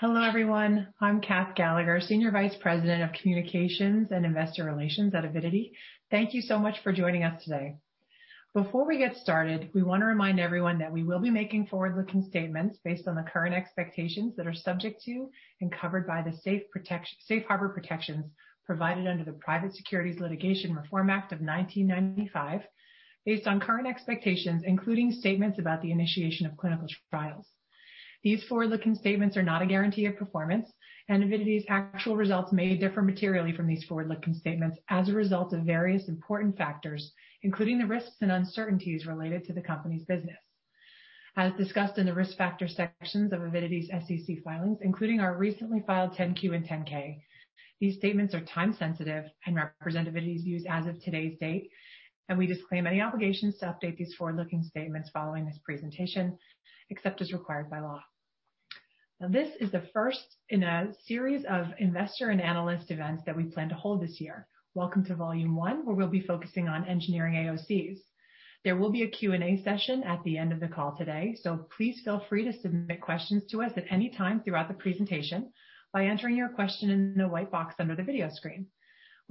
Hello everyone. I'm Kath Gallagher, Senior Vice President of Communications and Investor Relations at Avidity. Thank you so much for joining us today. Before we get started, we want to remind everyone that we will be making forward-looking statements based on the current expectations that are subject to and covered by the safe harbor protections provided under the Private Securities Litigation Reform Act of 1995, based on current expectations, including statements about the initiation of clinical trials. These forward-looking statements are not a guarantee of performance, and Avidity's actual results may differ materially from these forward-looking statements as a result of various important factors, including the risks and uncertainties related to the company's business. As discussed in the Risk Factor sections of Avidity's SEC filings, including our recently filed 10-Q and 10-K. These statements are time sensitive and represent Avidity's views as of today's date. We disclaim any obligation to update these forward-looking statements following this presentation, except as required by law. This is the first in a series of investor and analyst events that we plan to hold this year. Welcome to volume one, where we'll be focusing on engineering AOCs. There will be a Q&A session at the end of the call today. Please feel free to submit questions to us at any time throughout the presentation by entering your question in the white box under the video screen.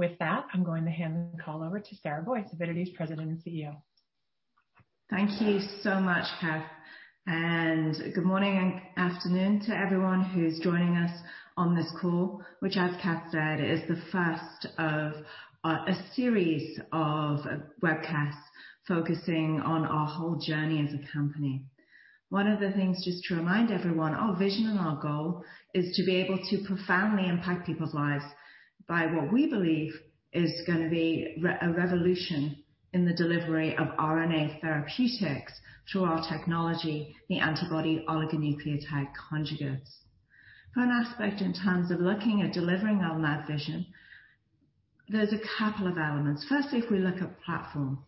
I'm going to hand the call over to Sarah Boyce, Avidity's President and CEO. Thank you so much, Kath. Good morning, afternoon to everyone who's joining us on this call, which as Kath said, is the first of a series of webcasts focusing on our whole journey as a company. One of the things just to remind everyone, our vision and our goal is to be able to profoundly impact people's lives by what we believe is going to be a revolution in the delivery of RNA therapeutics through our technology, the Antibody Oligonucleotide Conjugates. One aspect in terms of looking at delivering on that vision, there's a couple of elements. Firstly, if we look at platform,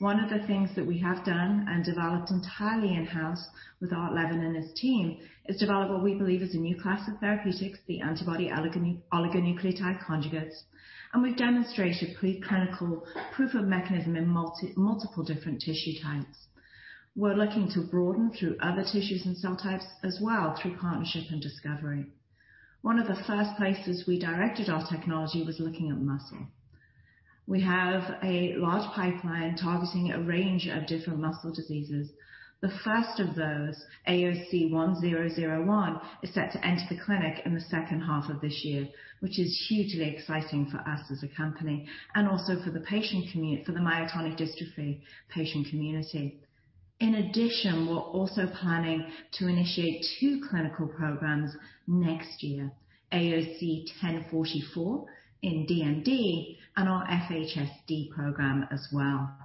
one of the things that we have done and developed entirely in-house with our lead and his team is develop what we believe is a new class of therapeutics, the antibody oligonucleotide conjugates, and we've demonstrated preclinical proof of mechanism in multiple different tissue types. We're looking to broaden through other tissues and cell types as well through partnership and discovery. One of the first places we directed our technology was looking at muscle. We have a large pipeline targeting a range of different muscle diseases. The first of those, AOC1001, is set to enter the clinic in the second half of this year, which is hugely exciting for us as a company and also for the myotonic dystrophy patient community. We're also planning to initiate two clinical programs next year, AOC1044 in DMD and our FSHD program as well.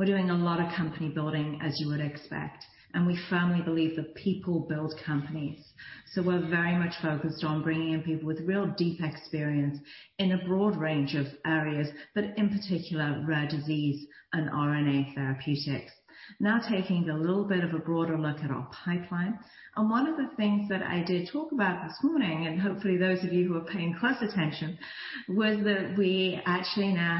We're doing a lot of company building, as you would expect. We firmly believe that people build companies. We're very much focused on bringing in people with real deep experience in a broad range of areas, but in particular, rare disease and RNA therapeutics. Taking a little bit of a broader look at our pipeline. One of the things that I did talk about this morning, and hopefully those of you who are paying close attention, was that we actually now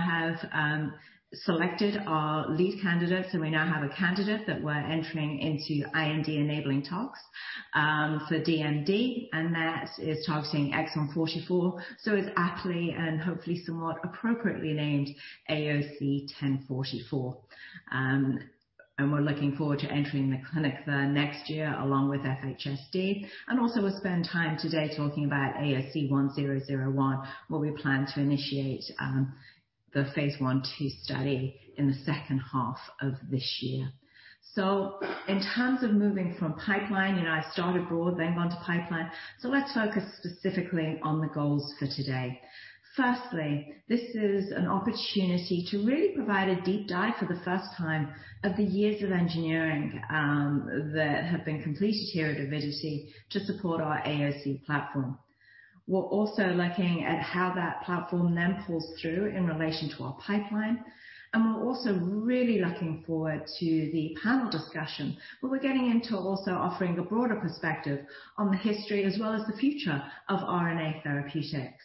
have selected our lead candidate. We now have a candidate that we're entering into IND-enabling tox, so DMD, and that is targeting exon 44, so it's aptly and hopefully somewhat appropriately named AOC1044. We're looking forward to entering the clinic there next year along with FSHD. Also, we'll spend time today talking about AOC 1001, where we plan to initiate the phase I/II study in the second half of this year. In terms of moving from pipeline, I started broad, moving on to pipeline. Let's focus specifically on the goals for today. Firstly, this is an opportunity to really provide a deep dive for the first time of the years of engineering that have been completed here at Avidity to support our AOC platform. We're also looking at how that platform then pulls through in relation to our pipeline, and we're also really looking forward to the panel discussion, where we're getting into also offering a broader perspective on the history as well as the future of RNA therapeutics.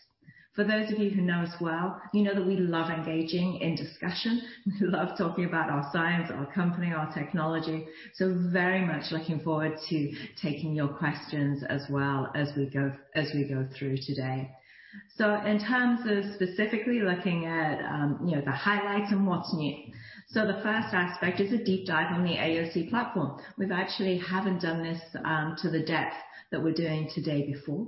For those of you who know us well, you know that we love engaging in discussion. We love talking about our science, our company, our technology. Very much looking forward to taking your questions as well as we go through today. In terms of specifically looking at the highlights and what's new. The first aspect is a deep dive on the AOC platform. We actually haven't done this to the depth that we're doing today before.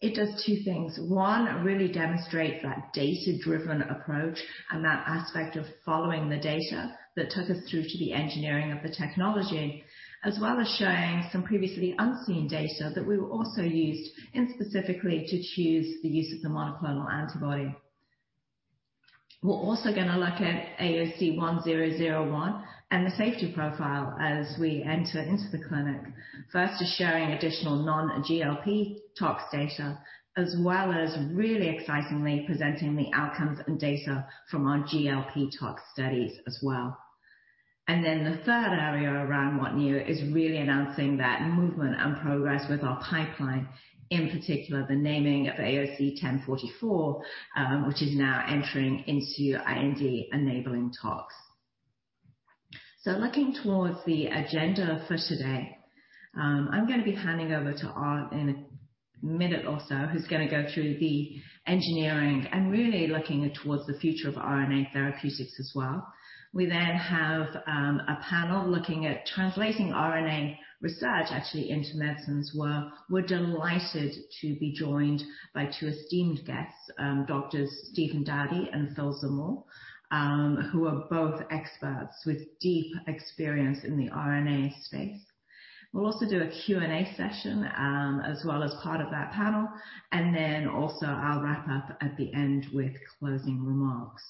It does two things. One, really demonstrate that data-driven approach and that aspect of following the data that took us through to the engineering of the technology, as well as showing some previously unseen data that we've also used in specifically to choose the use of the monoclonal antibody. We're also going to look at AOC 1001 and the safety profile as we enter into the clinic. First, to sharing additional non-GLP tox data, as well as really excitingly presenting the outcomes and data from our GLP tox studies as well. Then the third area around what's new is really announcing that movement and progress with our pipeline, in particular, the naming of AOC 1044, which is now entering into IND-enabling tox. Looking towards the agenda for today, I'm going to be handing over to Art in a minute or so, who's going to go through the engineering and really looking towards the future of RNA therapeutics as well. We then have a panel looking at translating RNA research actually into medicines, where we're delighted to be joined by two esteemed guests, Doctors Stephen Dowdy and Phil Zamore, who are both experts with deep experience in the RNA space. We'll also do a Q&A session as well as part of that panel, and then also I'll wrap up at the end with closing remarks.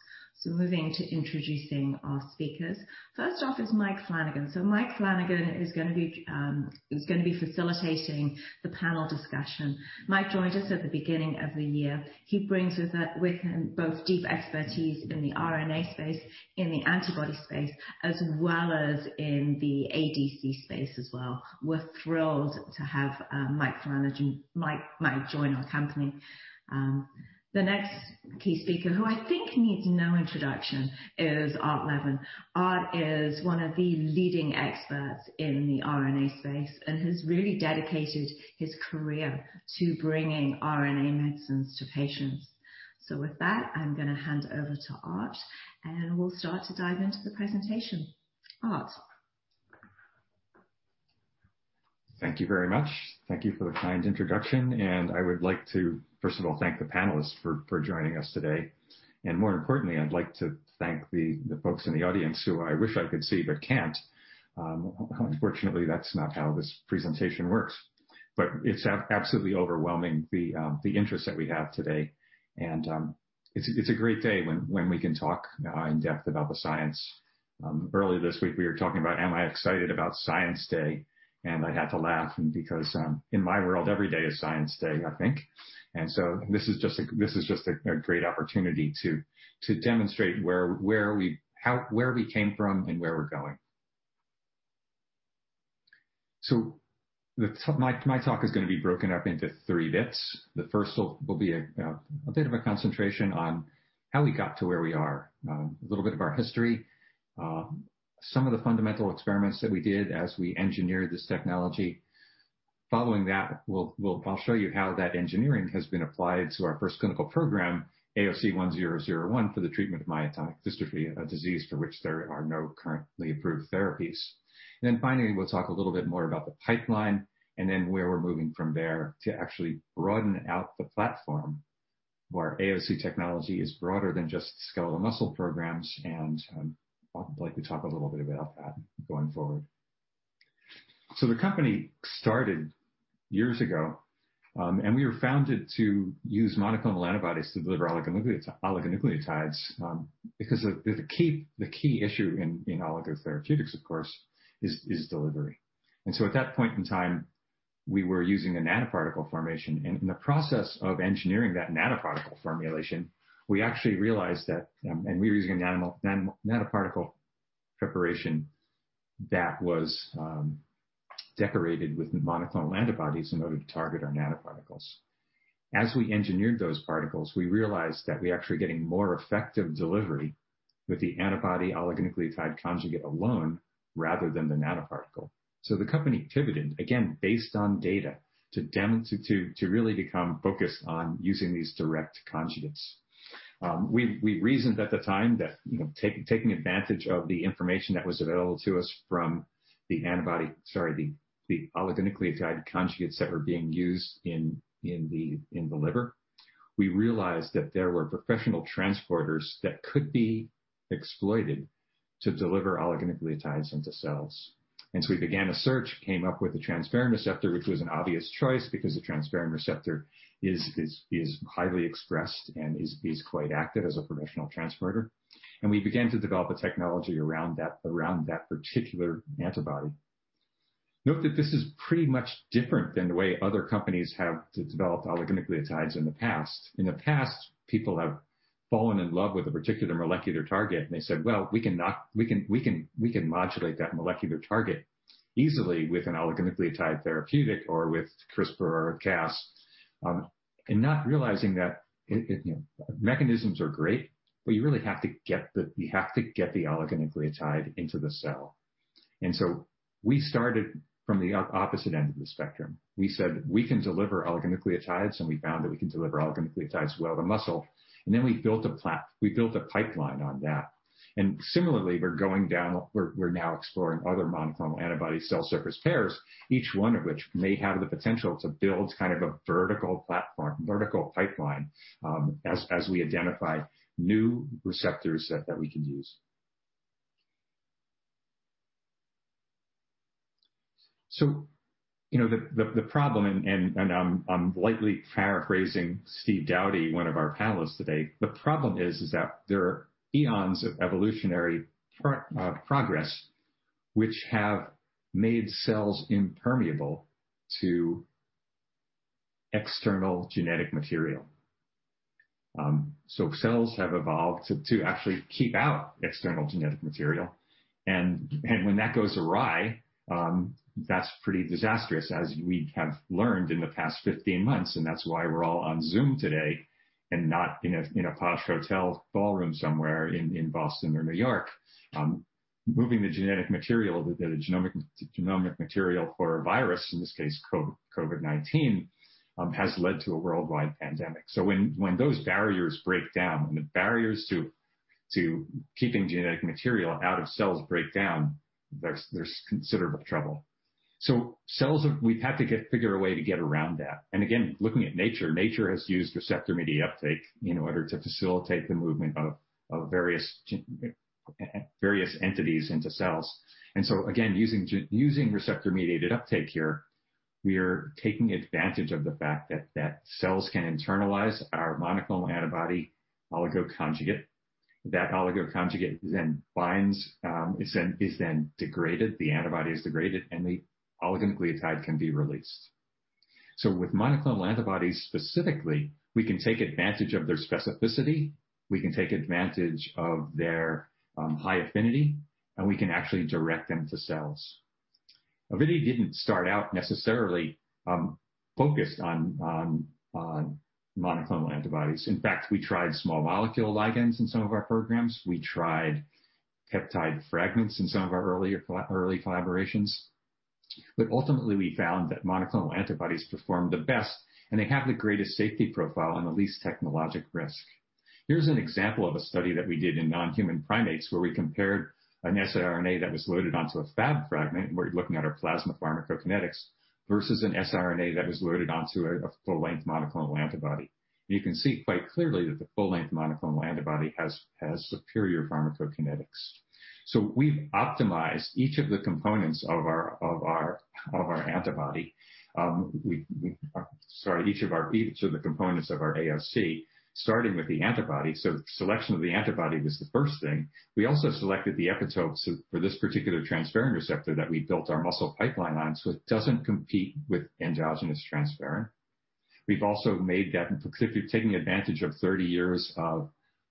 Moving to introducing our speakers. First off is Mike Flanagan. Mike Flanagan is going to be facilitating the panel discussion. Mike joined us at the beginning of the year. He brings with him both deep expertise in the RNA space, in the antibody space, as well as in the ADC space as well. We're thrilled to have Mike join our company. The next key speaker, who I think needs no introduction, is Art Levin. Art is one of the leading experts in the RNA space and has really dedicated his career to bringing RNA medicines to patients. With that, I'm going to hand over to Art, and we'll start to dive into the presentation. Art? Thank you very much. Thank you for the kind introduction. I would like to, first of all, thank the panelists for joining us today. More importantly, I'd like to thank the folks in the audience who I wish I could see but can't. Unfortunately, that's not how this presentation works. It's absolutely overwhelming, the interest that we have today, and it's a great day when we can talk in depth about the science. Earlier this week, we were talking about, am I excited about Science Day, and I had to laugh because in my world, every day is Science Day, I think. This is just a great opportunity to demonstrate where we came from and where we're going. My talk is going to be broken up into three bits. The first will be a bit of a concentration on how we got to where we are, a little bit of our history, some of the fundamental experiments that we did as we engineered this technology. I'll show you how that engineering has been applied to our first clinical program, AOC 1001, for the treatment of myotonic dystrophy, a disease for which there are no currently approved therapies. Finally, we'll talk a little bit more about the pipeline and then where we're moving from there to actually broaden out the platform, where AOC technology is broader than just skeletal muscle programs, and I'd like to talk a little bit about that going forward. The company started years ago, and we were founded to use monoclonal antibodies to deliver oligonucleotides because the key issue in oligotherapeutics, of course, is delivery. At that point in time, we were using a nanoparticle formulation, and in the process of engineering that nanoparticle formulation, we actually realized that, and we were using a nanoparticle preparation that was decorated with monoclonal antibodies in order to target our nanoparticles. As we engineered those particles, we realized that we're actually getting more effective delivery with the Antibody Oligonucleotide Conjugate alone rather than the nanoparticle. The company pivoted, again, based on data, to really become focused on using these direct Conjugates. We reasoned at the time that taking advantage of the information that was available to us from the oligonucleotide conjugates that were being used in the liver, we realized that there were professional transporters that could be exploited to deliver oligonucleotides into cells. We began a search, came up with the transferrin receptor, which was an obvious choice because the transferrin receptor is highly expressed and is quite active as a professional transporter, and we began to develop a technology around that particular antibody. Note that this is pretty much different than the way other companies have developed oligonucleotides in the past. In the past, people have fallen in love with a particular molecular target, and they said, "Well, we can modulate that molecular target easily with an oligonucleotide therapeutic or with CRISPR or Cas," and not realizing that mechanisms are great, but you really have to get the oligonucleotide into the cell. We started from the opposite end of the spectrum. We said we can deliver oligonucleotides, and we found that we can deliver oligonucleotides throughout the muscle, and then we built a pipeline on that. Similarly, we're now exploring other monoclonal antibody cell surface pairs, each one of which may have the potential to build kind of a vertical platform, vertical pipeline, as we identify new receptors that we can use. The problem, and I'm lightly paraphrasing Steve Dowdy, one of our panelists today, the problem is that there are eons of evolutionary progress which have made cells impermeable to external genetic material. Cells have evolved to actually keep out external genetic material, and when that goes awry, that's pretty disastrous, as we have learned in the past 15 months, and that's why we're all on Zoom today and not in a posh hotel ballroom somewhere in Boston or New York. Moving the genetic material, the genomic material for a virus, in this case COVID-19, has led to a worldwide pandemic. When those barriers break down, when the barriers to keeping genetic material out of cells break down, there's considerable trouble. Cells, we've had to figure a way to get around that. Again, looking at nature has used receptor-mediated uptake in order to facilitate the movement of various entities into cells. Again, using receptor-mediated uptake here, we are taking advantage of the fact that cells can internalize our monoclonal antibody oligo conjugate. That oligo conjugate then binds, is then degraded, the antibody is degraded, and the oligonucleotide can be released. With monoclonal antibodies specifically, we can take advantage of their specificity, we can take advantage of their high affinity, and we can actually direct them to cells. Avidity didn't start out necessarily focused on monoclonal antibodies. In fact, we tried small molecule ligands in some of our programs. We tried peptide fragments in some of our early collaborations. Ultimately, we found that monoclonal antibodies performed the best and they have the greatest safety profile and the least technologic risk. Here's an example of a study that we did in non-human primates where we compared an siRNA that was loaded onto a Fab fragment, and we're looking at our plasma pharmacokinetics versus an siRNA that is loaded onto a full-length monoclonal antibody. You can see quite clearly that the full-length monoclonal antibody has superior pharmacokinetics. We've optimized each of the components of our antibody. We started components of our AOC, starting with the antibody. Selection of the antibody was the first thing. We also selected the epitopes for this particular transferrin receptor that we built our muscle pipeline on, so it doesn't compete with endogenous transferrin. We've also made that, in particular, taking advantage of 30 years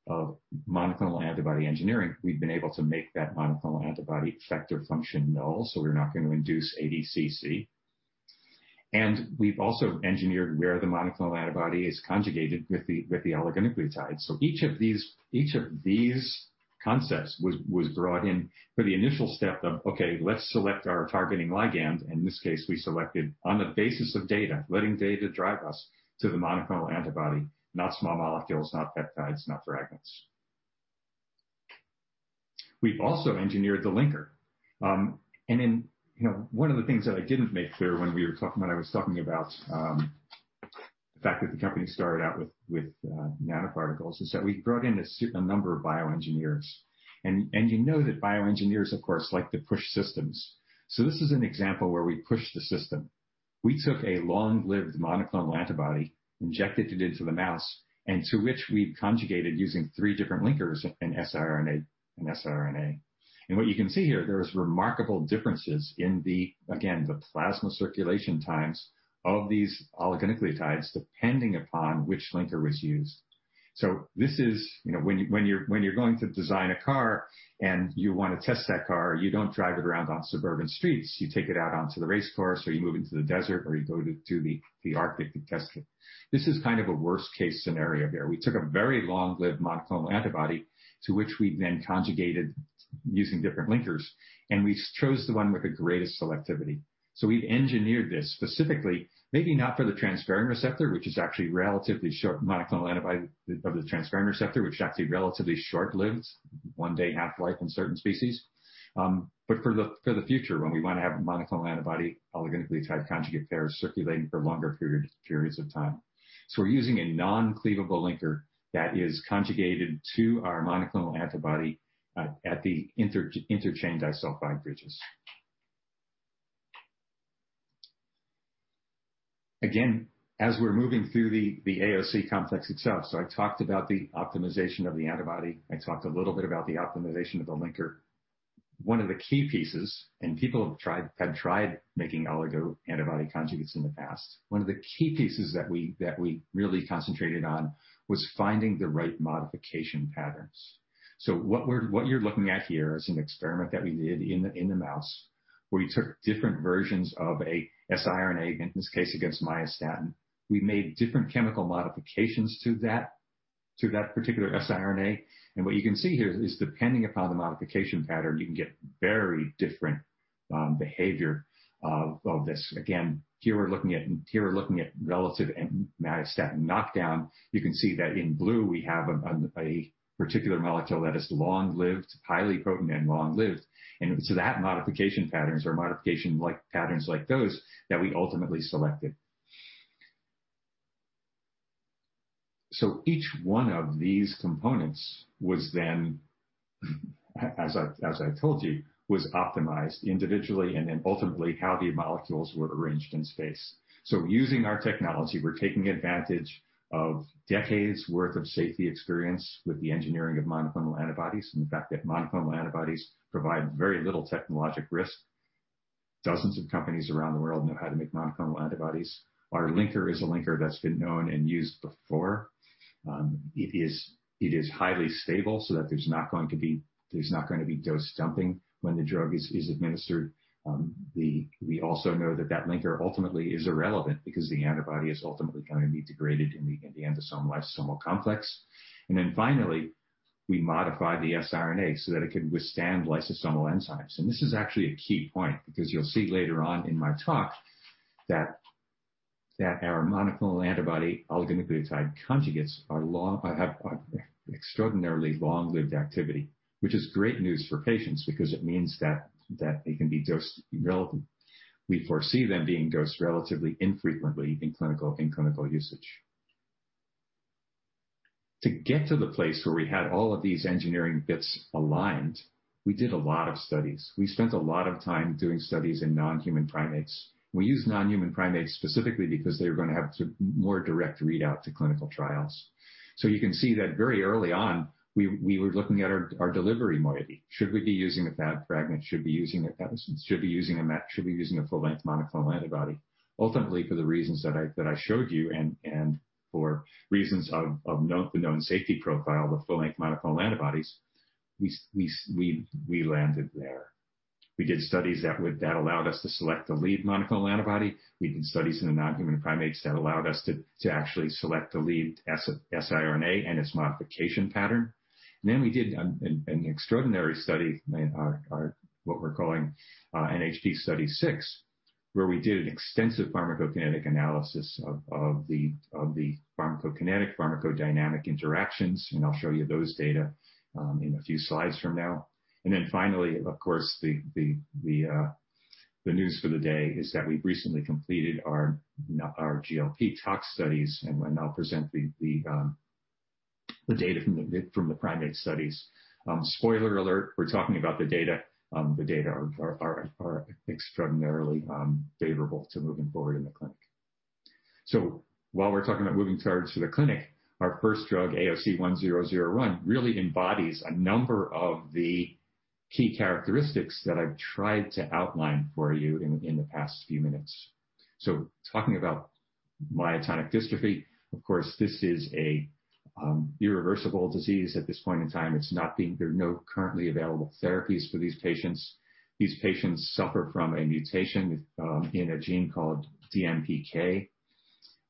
of monoclonal antibody engineering, we've been able to make that monoclonal antibody effector function null, so we're not going to induce ADCC. We've also engineered where the monoclonal antibody is conjugated with the oligonucleotide. Each of these concepts was brought in for the initial step of, okay, let's select our targeting ligand. In this case, we selected on the basis of data, letting data drive us to the monoclonal antibody, not small molecules, not peptides, not fragments. We've also engineered the linker. One of the things that I didn't make clear when I was talking about the fact that the company started out with nanoparticles is that we brought in a number of bioengineers. You know that bioengineers, of course, like to push systems. This is an example where we pushed the system. We took a long-lived monoclonal antibody, injected it into the mouse, to which we conjugated using three different linkers an siRNA. What you can see here, there is remarkable differences in, again, the plasma circulation times of these oligonucleotides, depending upon which linker was used. This is when you're going to design a car and you want to test that car, you don't drive it around on suburban streets. You take it out onto the race course, or you move it to the desert, or you go to the Arctic to test it. This is kind of a worst-case scenario here. We took a very long-lived monoclonal antibody, to which we then conjugated using different linkers, and we chose the one with the greatest selectivity. We engineered this specifically, maybe not for the transferrin receptor, which is actually relatively short monoclonal antibody of the transferrin receptor, which is actually relatively short-lived, one-day half-life in certain species. For the future, when we want to have a monoclonal antibody oligonucleotide conjugate pair circulating for longer periods of time. We're using a non-cleavable linker that is conjugated to our monoclonal antibody at the interchain disulfide bridges. Again, as we're moving through the AOC complex itself, I talked about the optimization of the antibody. I talked a little bit about the optimization of the linker. One of the key pieces, people have tried making oligo-antibody conjugates in the past. One of the key pieces that we really concentrated on was finding the right modification patterns. What you're looking at here is an experiment that we did in the mouse, where we took different versions of a siRNA, in this case against myostatin. We made different chemical modifications to that particular siRNA. What you can see here is depending upon the modification pattern, you can get very different behavior of this. Again, here we're looking at relative myostatin knockdown. You can see that in blue we have a particular molecule that is long-lived, highly potent, and long-lived. That modification patterns or modification patterns like those that we ultimately selected. Each one of these components was then, as I told you, was optimized individually and then ultimately how the molecules were arranged in space. Using our technology, we're taking advantage of decades' worth of safety experience with the engineering of monoclonal antibodies, and the fact that monoclonal antibodies provide very little technologic risk. Dozens of companies around the world know how to make monoclonal antibodies. Our linker is a linker that's been known and used before. It is highly stable so that there's not going to be dose dumping when the drug is administered. We also know that that linker ultimately is irrelevant because the antibody is ultimately going to be degraded in the endosome-lysosomal complex. Finally, we modified the siRNA so that it can withstand lysosomal enzymes. This is actually a key point because you'll see later on in my talk that our monoclonal antibody oligonucleotide conjugates have quite extraordinarily long-lived activity, which is great news for patients because it means that they can be dosed relatively. We foresee them being dosed relatively infrequently in clinical usage. To get to the place where we had all of these engineering bits aligned, we did a lot of studies. We spent a lot of time doing studies in non-human primates. We used non-human primates specifically because they were going to have more direct readout to clinical trials. You can see that very early on, we were looking at our delivery moiety. Should we be using a Fab fragment, should we be using a full-length monoclonal antibody? Ultimately, for the reasons that I showed you and for reasons of the known safety profile of the full-length monoclonal antibodies, we landed there. We did studies that allowed us to select the lead monoclonal antibody. We did studies in non-human primates that allowed us to actually select the lead siRNA and its modification pattern. We did an extraordinary study, what we're calling NHP Study Six, where we did an extensive pharmacokinetic analysis of the pharmacokinetic/pharmacodynamic interactions, and I'll show you those data in a few slides from now. Finally, of course, the news for the day is that we've recently completed our GLP tox studies, and we're now presenting the data from the primate studies. Spoiler alert, we're talking about the data. The data are extraordinarily favorable to moving forward in the clinic. While we're talking about moving forward to the clinic, our first drug, AOC 1001, really embodies a number of the key characteristics that I've tried to outline for you in the past few minutes. Talking about myotonic dystrophy, of course, this is an irreversible disease at this point in time. There are no currently available therapies for these patients. These patients suffer from a mutation in a gene called DMPK.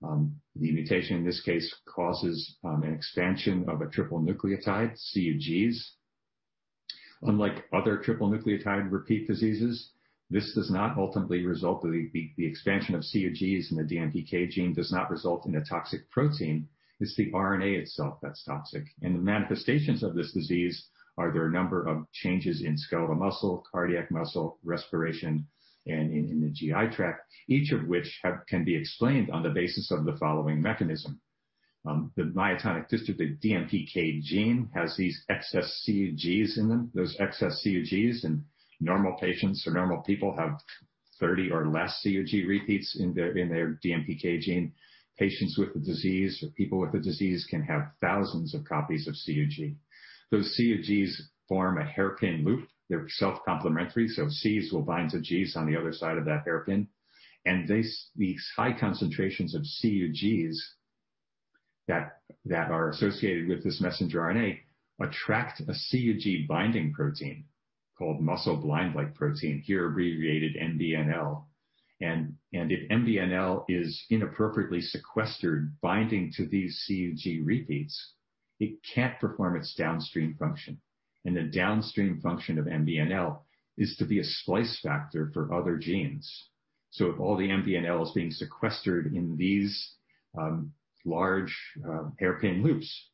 The mutation, in this case, causes an expansion of a triple nucleotide, CUGs. Unlike other triple nucleotide repeat diseases, this does not ultimately result in the expansion of CUGs, and the DMPK gene does not result in a toxic protein. It's the RNA itself that's toxic. The manifestations of this disease are there are a number of changes in skeletal muscle, cardiac muscle, respiration, and in the GI tract, each of which can be explained on the basis of the following mechanism. The myotonic dystrophy DMPK gene has these excess CUGs in them. Those excess CUGs in normal patients or normal people have 30 or less CUG repeats in their DMPK gene. Patients with the disease or people with the disease can have thousands of copies of CUG. Those CUGs form a hairpin loop. They're self-complementary, so Cs will bind to Gs on the other side of that hairpin. These high concentrations of CUGs that are associated with this messenger RNA attract a CUG-binding protein called Muscleblind-like protein, here abbreviated MBNL. If MBNL is inappropriately sequestered binding to these CUG repeats, it can't perform its downstream function. The downstream function of MBNL is to be a splice factor for other genes. If all the MBNL is being sequestered in these large hairpin loops,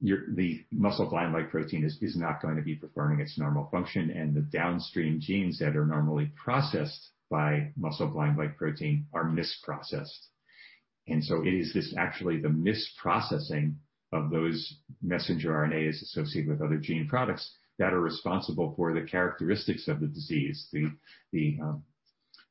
the Muscleblind-like protein is not going to be performing its normal function, and the downstream genes that are normally processed by Muscleblind-like protein are misprocessed. It is actually the misprocessing of those messenger RNAs associated with other gene products that are responsible for the characteristics of the disease, the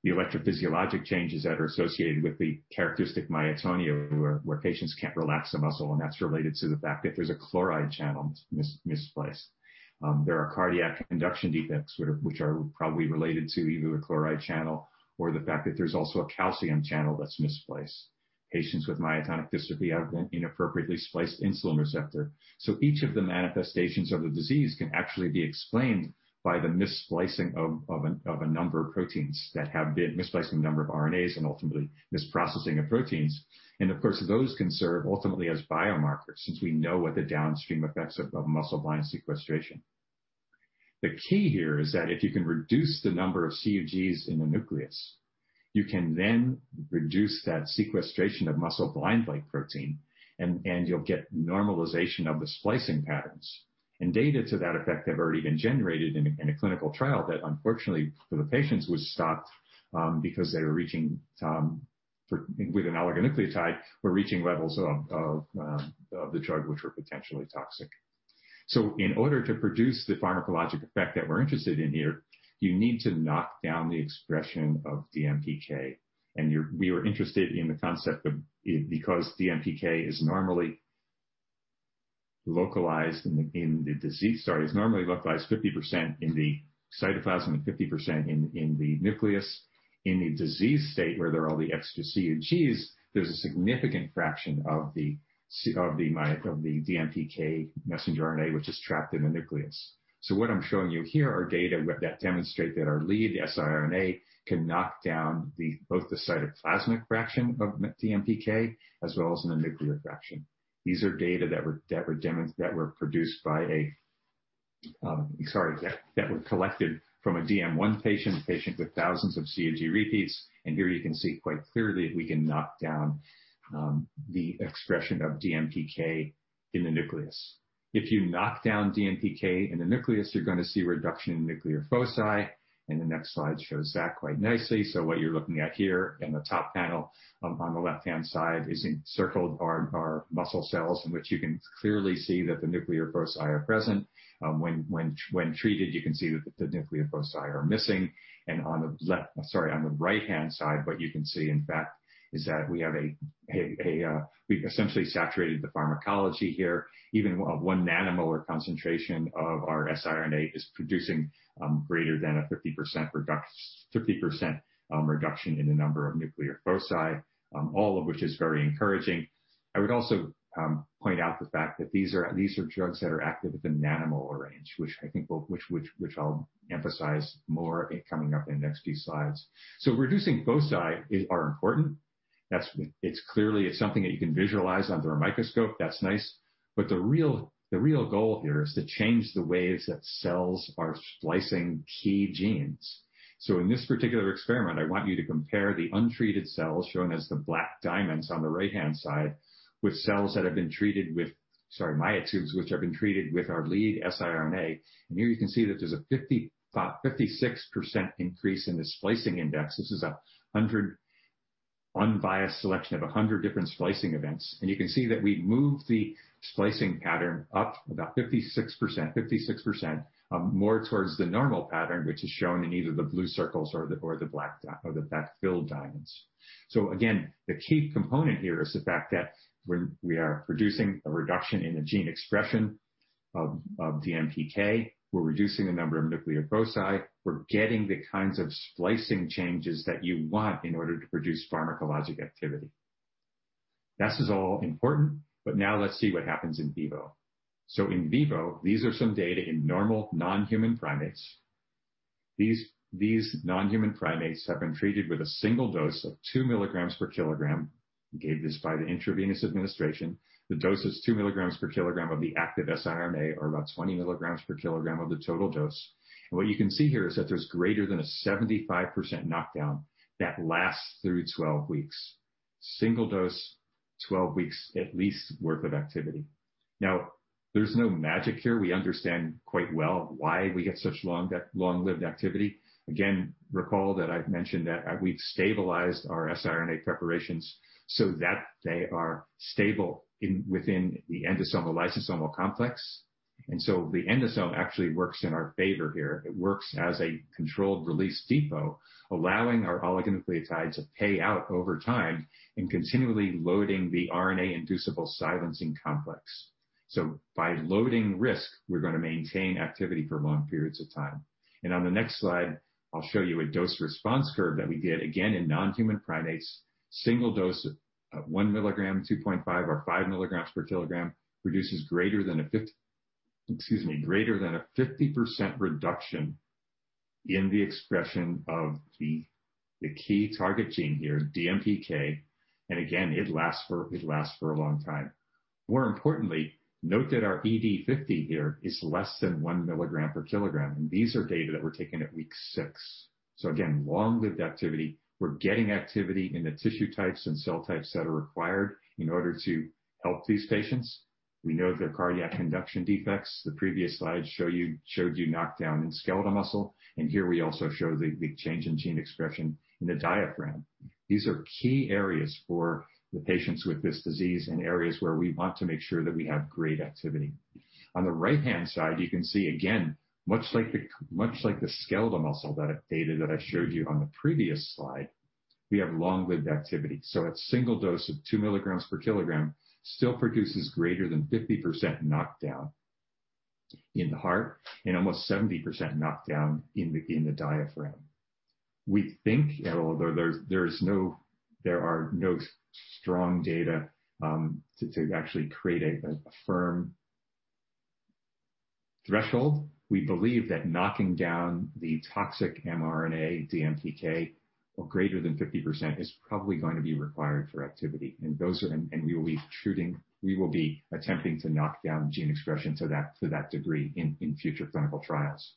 electrophysiologic changes that are associated with the characteristic myotonia, where patients can't relax a muscle, and that's related to the fact that there's a chloride channel mis-spliced. There are cardiac conduction defects, which are probably related to either the chloride channel or the fact that there's also a calcium channel that's mis-spliced. Patients with myotonic dystrophy have an inappropriately spliced insulin receptor. Each of the manifestations of the disease can actually be explained by the missplicing of a number of proteins that have been missplicing a number of RNAs and ultimately misprocessing of proteins. Of course, those can serve ultimately as biomarkers since we know what the downstream effects are of Muscleblind sequestration. The key here is that if you can reduce the number of CUGs in the nucleus, you can then reduce that sequestration of Muscleblind-like protein, and you'll get normalization of the splicing patterns. Data to that effect have already been generated in a clinical trial that unfortunately for the patients was stopped because they were reaching, with an oligonucleotide, levels of the drug which were potentially toxic. In order to produce the pharmacologic effect that we're interested in here, you need to knock down the expression of DMPK. We were interested in the concept of because DMPK is normally localized 50% in the cytoplasm and 50% in the nucleus. In the disease state where there are all the extra CUGs, there's a significant fraction of the DMPK messenger RNA, which is trapped in the nucleus. What I'm showing you here are data that demonstrate that our lead siRNA can knock down both the cytoplasmic fraction of DMPK as well as in the nuclear fraction. These are data that were collected from a DM1 patient, a patient with thousands of CUG repeats, and here you can see quite clearly we can knock down the expression of DMPK in the nucleus. If you knock down DMPK in the nucleus, you're going to see a reduction in nuclear foci, and the next slide shows that quite nicely. What you're looking at here in the top panel on the left-hand side is encircled are muscle cells in which you can clearly see that the nuclear foci are present. When treated, you can see that the nuclear foci are missing. On the right-hand side, what you can see, in fact, is that we've essentially saturated the pharmacology here. Even one nanomolar concentration of our siRNA is producing greater than a 50% reduction in the number of nuclear foci, all of which is very encouraging. I would also point out the fact that these are drugs that are active at the nanomolar range, which I'll emphasize more coming up in the next few slides. Reducing foci are important. It's clearly something that you can visualize under a microscope, that's nice. The real goal here is to change the ways that cells are splicing key genes. In this particular experiment, I want you to compare the untreated cells shown as the black diamonds on the right-hand side with cells that have been treated with, sorry, myotubes which have been treated with our lead siRNA. Here you can see that there's a 56% increase in the splicing index. This is an unbiased selection of 100 different splicing events. You can see that we've moved the splicing pattern up about 56% more towards the normal pattern, which is shown in either the blue circles or the black filled diamonds. Again, the key component here is the fact that when we are producing a reduction in the gene expression of DMPK, we're reducing the number of nuclear foci. We're getting the kinds of splicing changes that you want in order to produce pharmacologic activity. This is all important, but now let's see what happens in vivo. In vivo, these are some data in normal non-human primates. These non-human primates have been treated with a single dose of 2 mg per kg, gave this by the intravenous administration. The dose is two milligrams per kilogram of the active siRNA, or about 20 milligrams per kilogram of the total dose. What you can see here is that there's greater than a 75% knockdown that lasts through 12 weeks. Single dose, 12 weeks at least worth of activity. Now, there's no magic here. We understand quite well why we get such long-lived activity. Again, recall that I've mentioned that we've stabilized our siRNA preparations so that they are stable within the endosomal-lysosomal complex. The endosome actually works in our favor here. It works as a controlled release depot, allowing our oligonucleotide to pay out over time and continually loading the RNA-induced silencing complex. By loading RISC, we're going to maintain activity for long periods of time. On the next slide, I'll show you a dose-response curve that we get, again, in non-human primates. Single dose of 1 mg, 2.5 mg, or 5 mg per kg produces greater than a 50% reduction in the expression of the key target gene here, DMPK. Again, it lasts for a long time. More importantly, note that our ED50 here is less than 1 mg per kg. These are data that were taken at week six. Again, long-lived activity. We're getting activity in the tissue types and cell types that are required in order to help these patients. We know their cardiac conduction defects. The previous slide showed you knockdown in skeletal muscle. Here we also show the change in gene expression in the diaphragm. These are key areas for the patients with this disease and areas where we want to make sure that we have great activity. On the right-hand side, you can see again, much like the skeletal muscle data that I showed you on the previous slide, we have long-lived activity. A single dose of 2 mg per kg still produces greater than 50% knockdown in the heart and almost 70% knockdown in the diaphragm. We think, although there are no strong data to actually create a firm threshold, we believe that knocking down the toxic mRNA, DMPK, of greater than 50% is probably going to be required for activity. We will be attempting to knock down gene expression to that degree in future clinical trials.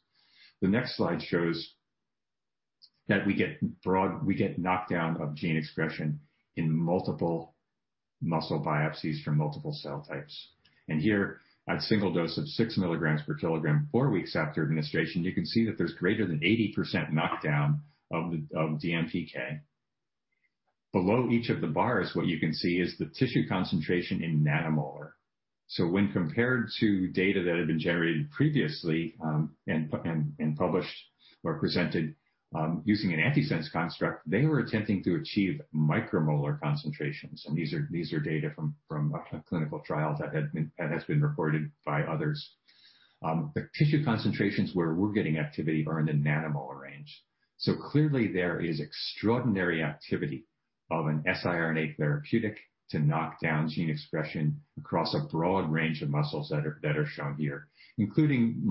The next slide shows that we get knockdown of gene expression in multiple muscle biopsies from multiple cell types. Here, a single dose of 6 mg per kg four weeks after administration, you can see that there's greater than 80% knockdown of DMPK. Below each of the bars, what you can see is the tissue concentration in nanomolar. When compared to data that had been generated previously, and published or presented using an antisense construct, they were attempting to achieve micromolar concentrations, and these are data from a clinical trial that has been reported by others. The tissue concentrations where we're getting activity are in the nanomolar range. Clearly there is extraordinary activity of an siRNA therapeutic to knock down gene expression across a broad range of muscles that are shown here, including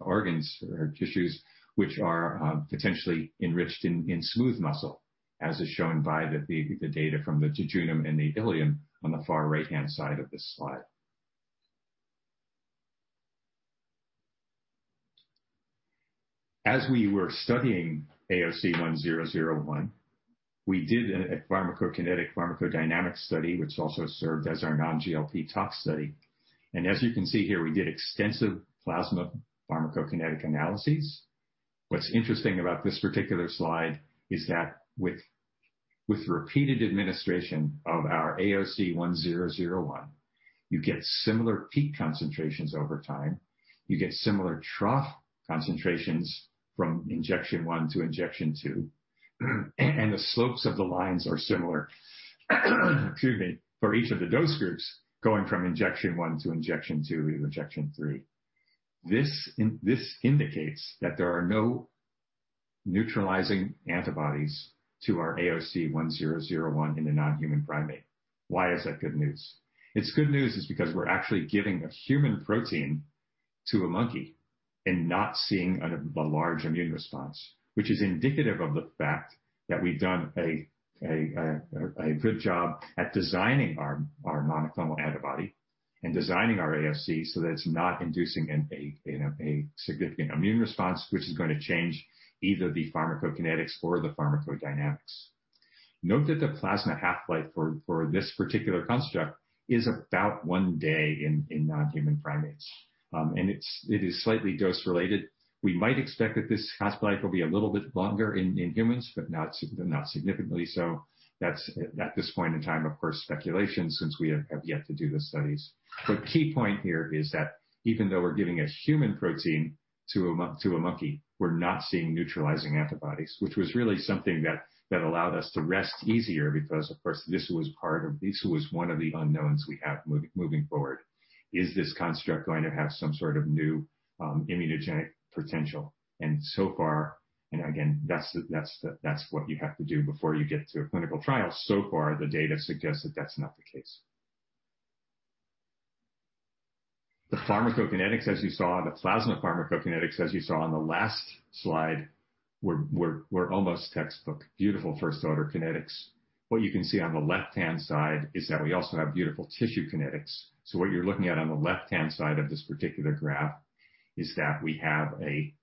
organs or tissues which are potentially enriched in smooth muscle. As is shown by the data from the jejunum and the ileum on the far right-hand side of the slide. As we were studying AOC 1001, we did a pharmacokinetic pharmacodynamic study, which also served as our non-GLP tox study. As you can see here, we did extensive plasma pharmacokinetic analyses. What's interesting about this particular slide is that with repeated administration of our AOC 1001, you get similar peak concentrations over time, you get similar trough concentrations from injection one to injection two, and the slopes of the lines are similar for each of the dose groups going from injection one to injection two and injection three. This indicates that there are no neutralizing antibodies to our AOC 1001 in the non-human primate. Why is that good news? It's good news because we're actually giving a human protein to a monkey and not seeing a large immune response, which is indicative of the fact that we've done a good job at designing our monoclonal antibody and designing our AOC so that it's not inducing a significant immune response, which is going to change either the pharmacokinetics or the pharmacodynamics. Note that the plasma half-life for this particular construct is about one day in non-human primates. It is slightly dose-related. We might expect that this half-life will be a little bit longer in humans, but not significantly so. That's at this point in time, of course, speculation since we have yet to do the studies. The key point here is that even though we're giving a human protein to a monkey, we're not seeing neutralizing antibodies, which was really something that allowed us to rest easier because, of course, this was one of the unknowns we had moving forward. Is this construct going to have some sort of new immunogenic potential? So far, and again, that's what you have to do before you get to a clinical trial. So far, the data suggests that that's not the case. The pharmacokinetics as you saw, the plasma pharmacokinetics as you saw on the last slide were almost textbook. Beautiful first order kinetics. What you can see on the left-hand side is that we also have beautiful tissue kinetics. What you're looking at on the left-hand side of this particular graph is that we have a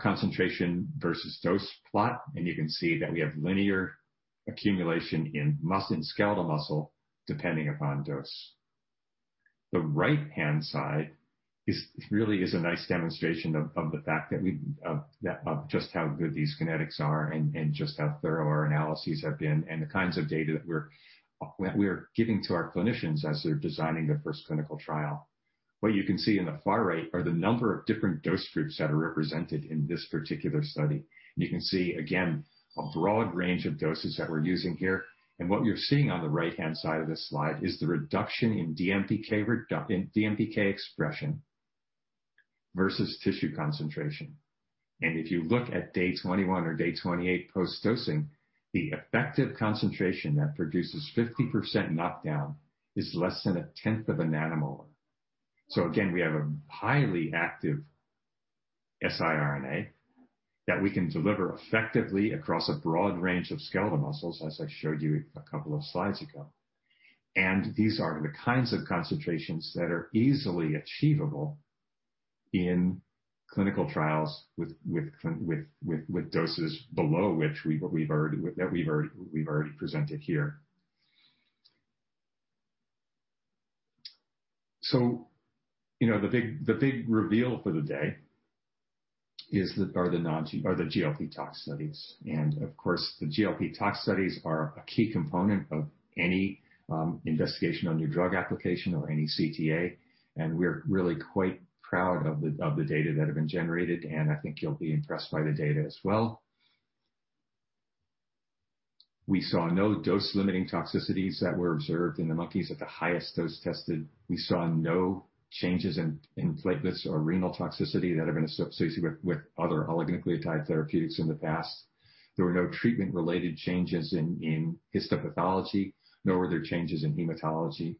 concentration versus dose plot, and you can see that we have linear accumulation in skeletal muscle, depending upon dose. The right-hand side really is a nice demonstration of the fact of just how good these kinetics are and just how thorough our analyses have been and the kinds of data that we're giving to our clinicians as they're designing the first clinical trial. What you can see on the far right are the number of different dose groups that are represented in this particular study. You can see again, a broad range of doses that we're using here. What you're seeing on the right-hand side of this slide is the reduction in DMPK expression versus tissue concentration. If you look at day 21 or day 28 post-dosing, the effective concentration that produces 50% knockdown is less than a tenth of a nanomolar. Again, we have a highly active siRNA that we can deliver effectively across a broad range of skeletal muscles, as I showed you a couple of slides ago. These are the kinds of concentrations that are easily achievable in clinical trials with doses below which we've already presented here. The big reveal for the day are the GLP tox studies. Of course, the GLP tox studies are a key component of any investigation on new drug application or any CTA, and we're really quite proud of the data that have been generated, and I think you'll be impressed by the data as well. We saw no dose-limiting toxicities that were observed in the monkeys at the highest dose tested. We saw no changes in platelets or renal toxicity that have been associated with other oligonucleotide therapeutics in the past. There were no treatment-related changes in histopathology. No other changes in hematology,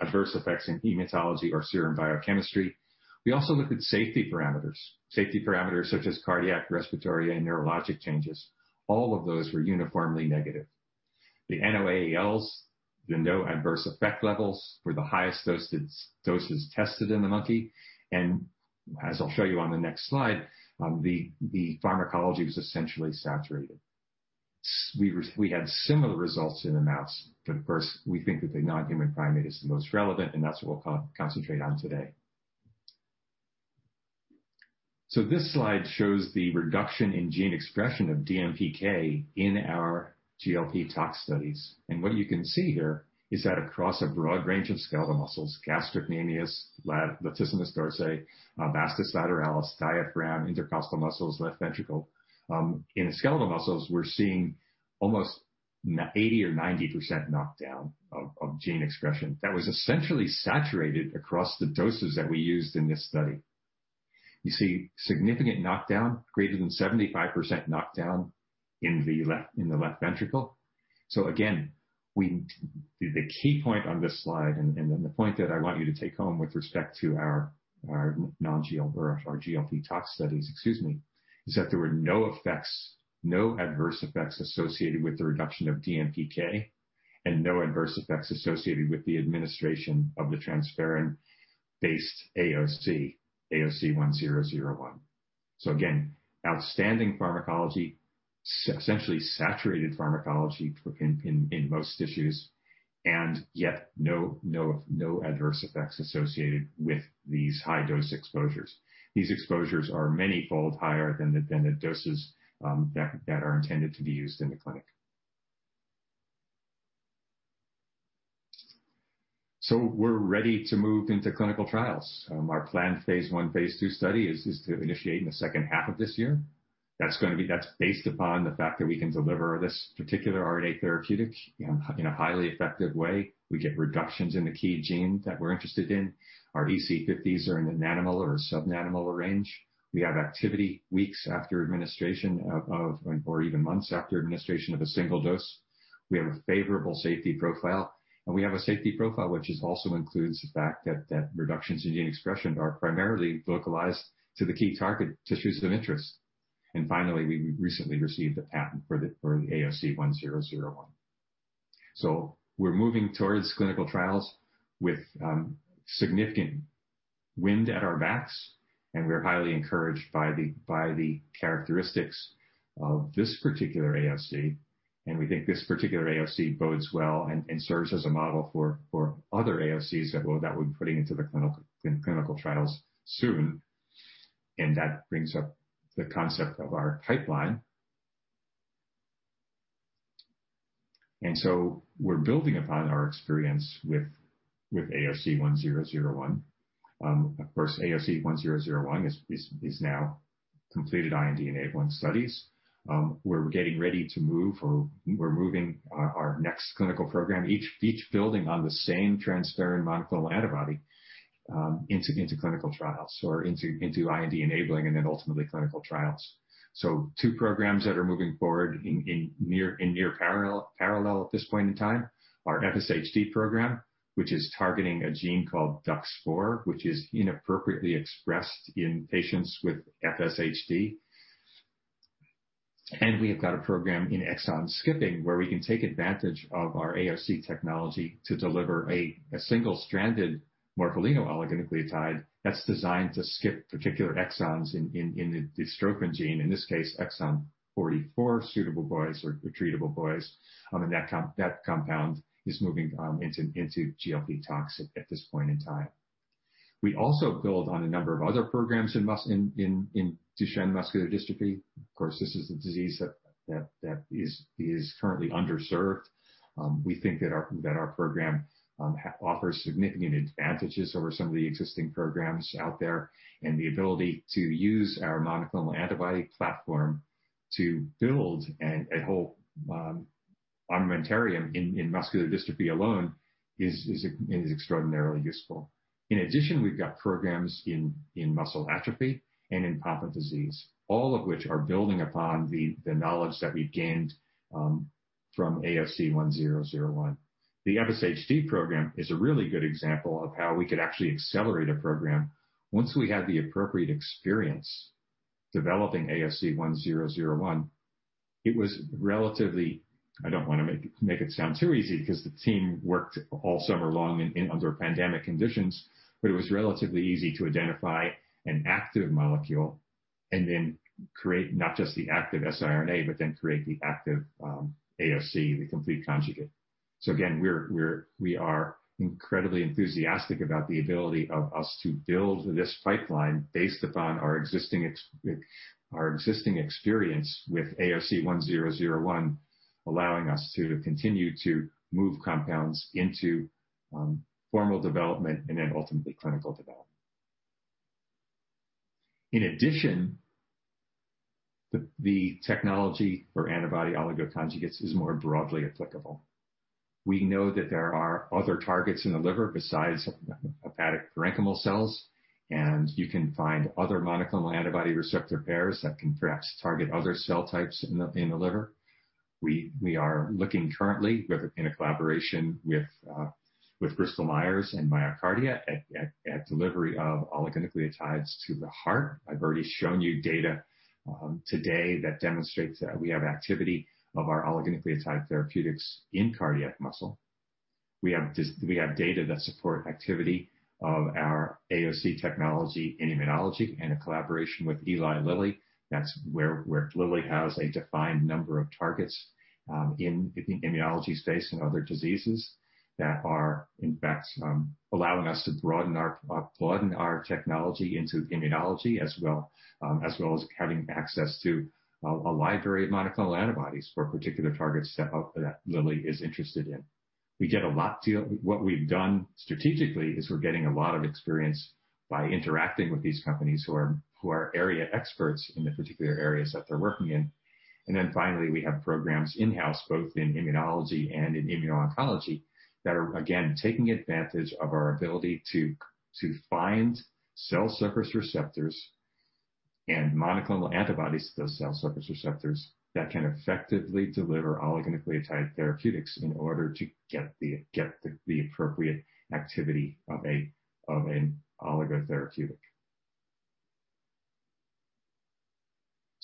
adverse effects in hematology or serum biochemistry. We also looked at safety parameters, such as cardiac, respiratory, and neurologic changes. All of those were uniformly negative. The NOAELs, the no adverse effect levels, were the highest doses tested in the monkey, and as I'll show you on the next slide, the pharmacology was essentially saturated. We had similar results in the mouse. First, we think that the non-human primate is the most relevant, and that's what we'll concentrate on today. This slide shows the reduction in gene expression of DMPK in our GLP tox studies. What you can see here is that across a broad range of skeletal muscles, gastrocnemius, latissimus dorsi, vastus lateralis, diaphragm, intercostal muscles, left ventricle, in skeletal muscles, we're seeing almost 80% or 90% knockdown of gene expression that was essentially saturated across the doses that we used in this study. You see significant knockdown, greater than 75% knockdown in the left ventricle. Again, the key point on this slide, the point that I want you to take home with respect to our GLP tox studies, excuse me, is that there were no effects, no adverse effects associated with the reduction of DMPK, and no adverse effects associated with the administration of the transferrin-based AOC, AOC1001. Again, outstanding pharmacology, essentially saturated pharmacology in most tissues, and yet no adverse effects associated with these high dose exposures. These exposures are manyfold higher than the doses that are intended to be used in the clinic. We're ready to move into clinical trials. Our planned phase I, phase II study is to initiate in the second half of this year. That's based upon the fact that we can deliver this particular RNA therapeutic in a highly effective way. We get reductions in the key gene that we're interested in. Our EC50s are in the nanomolar or sub-nanomolar range. We have activity weeks after administration of, or even months after administration of a single dose. We have a favorable safety profile, and we have a safety profile which also includes the fact that reductions in gene expression are primarily localized to the key target tissues of interest. Finally, we recently received a patent for the AOC 1001. We're moving towards clinical trials with significant wind at our backs, and we're highly encouraged by the characteristics of this particular AOC, and we think this particular AOC bodes well and serves as a model for other AOCs that we're putting into the clinical trials soon, and that brings up the concept of our pipeline. We're building upon our experience with AOC 1001. Of course, AOC 1001 is now completed IND-enabling studies. We're getting ready to move, or we're moving our next clinical program, each building on the same transferrin monoclonal antibody, into clinical trials or into IND-enabling and then ultimately clinical trials. Two programs that are moving forward in near parallel at this point in time are FSHD program, which is targeting a gene called DUX4, which is inappropriately expressed in patients with FSHD. We have got a program in exon skipping where we can take advantage of our AOC technology to deliver a single-stranded morpholino oligonucleotide that's designed to skip particular exons in the dystrophin gene, in this case, exon 44, suitable boys or treatable boys, and that compound is moving into GLP tox at this point in time. We also build on a number of other programs in Duchenne muscular dystrophy. Of course, this is a disease that is currently underserved. We think that our program offers significant advantages over some of the existing programs out there, and the ability to use our monoclonal antibody platform to build a whole armamentarium in muscular dystrophy alone is extraordinarily useful. In addition, we've got programs in muscle atrophy and in Pompe disease, all of which are building upon the knowledge that we gained from AOC 1001. The FSHD program is a really good example of how we could actually accelerate a program once we had the appropriate experience developing AOC 1001. It was relatively, I don't want to make it sound too easy because the team worked all summer long and under pandemic conditions, but it was relatively easy to identify an active molecule and then create not just the active siRNA, but then create the active AOC, the complete conjugate. Again, we are incredibly enthusiastic about the ability of us to build this pipeline based upon our existing experience with AOC 1001, allowing us to continue to move compounds into formal development and then ultimately clinical development. In addition, the technology for antibody-oligoconjugates is more broadly applicable. We know that there are other targets in the liver besides hepatic parenchymal cells, and you can find other monoclonal antibody receptor pairs that can perhaps target other cell types in the liver. We are looking currently with a collaboration with Bristol Myers and MyoKardia at delivery of oligonucleotides to the heart. I've already shown you data today that demonstrates that we have activity of our oligonucleotide therapeutics in cardiac muscle. We have data that support activity of our AOC technology in immunology and in collaboration with Eli Lilly. That's where Lilly has a defined number of targets in the immunology space and other diseases that are in fact allowing us to broaden our technology into immunology as well as having access to a library of monoclonal antibodies for particular targets that Lilly is interested in. What we've done strategically is we're getting a lot of experience by interacting with these companies who are area experts in the particular areas that they're working in. Finally, we have programs in-house, both in immunology and in immuno-oncology, that are, again, taking advantage of our ability to find cell surface receptors and monoclonal antibodies to those cell surface receptors that can effectively deliver oligonucleotide therapeutics in order to get the appropriate activity of an oligo therapeutic.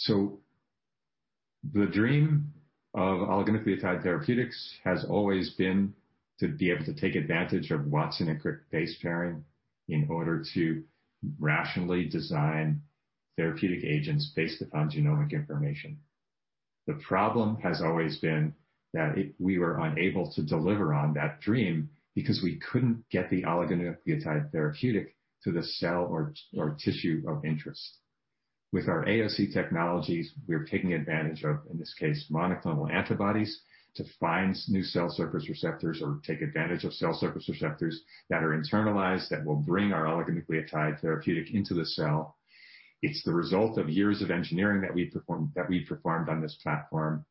The dream of oligonucleotide therapeutics has always been to be able to take advantage of Watson-Crick base pairing in order to rationally design therapeutic agents based upon genomic information. The problem has always been that we were unable to deliver on that dream because we couldn't get the oligonucleotide therapeutic to the cell or tissue of interest. With our AOC technologies, we're taking advantage of, in this case, monoclonal antibodies to find new cell surface receptors or take advantage of cell surface receptors that are internalized that will bring our oligonucleotide therapeutic into the cell. It's the result of years of engineering that we've performed on this platform,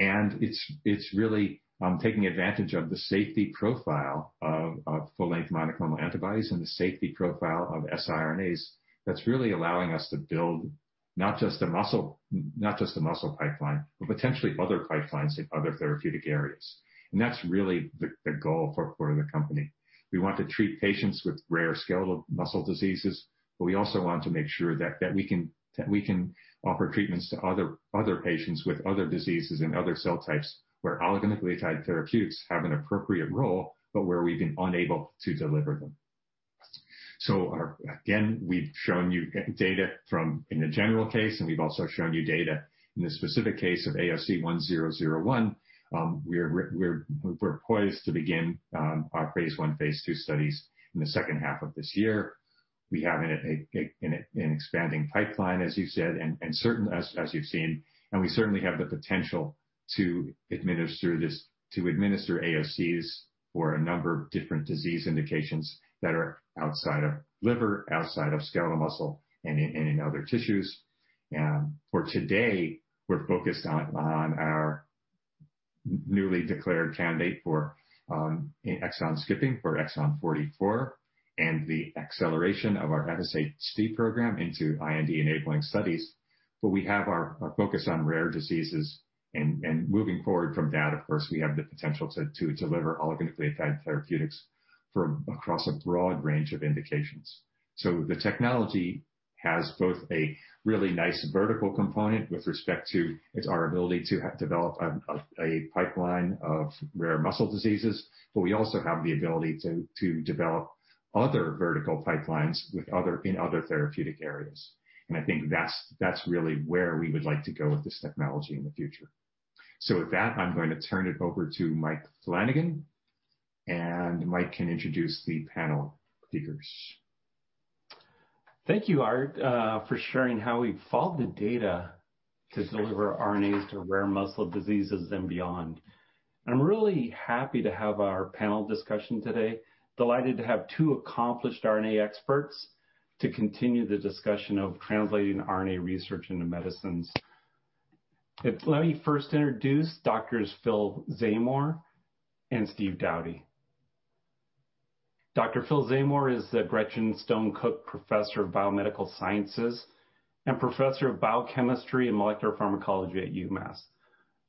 and it's really taking advantage of the safety profile of full-length monoclonal antibodies and the safety profile of siRNAs that's really allowing us to build not just the muscle pipeline, but potentially other pipelines in other therapeutic areas. That's really the goal for the company. We want to treat patients with rare skeletal muscle diseases, but we also want to make sure that we can offer treatments to other patients with other diseases and other cell types where oligonucleotide therapeutics have an appropriate role, but where we've been unable to deliver them. Again, we've shown you data from in the general case, and we've also shown you data in the specific case of AOC 1001. We're poised to begin our phase I, phase II studies in the second half of this year. We have an expanding pipeline, as you said, and as you've seen, and we certainly have the potential to administer AOCs for a number of different disease indications that are outside of liver, outside of skeletal muscle, and in other tissues. For today, we're focused on our newly declared candidate for exon skipping for exon 44 and the acceleration of our FSHD program into IND-enabling studies. We have our focus on rare diseases, and moving forward from that, of course, we have the potential to deliver oligonucleotide therapeutics from across a broad range of indications. The technology has both a really nice vertical component with respect to our ability to develop a pipeline of rare muscle diseases, but we also have the ability to develop other vertical pipelines in other therapeutic areas. I think that's really where we would like to go with this technology in the future. With that, I'm going to turn it over to Mike Flanagan, and Mike can introduce the panel speakers. Thank you, Art, for sharing how we've followed the data to deliver RNAs to rare muscle diseases and beyond. I'm really happy to have our panel discussion today, delighted to have two accomplished RNA experts to continue the discussion of translating RNA research into medicines. Let me first introduce Doctors Phil Zamore and Steve Dowdy. Dr. Phil Zamore is the Gretchen Stone Cook Professor of Biomedical Sciences and Professor of Biochemistry and Molecular Pharmacology at UMass.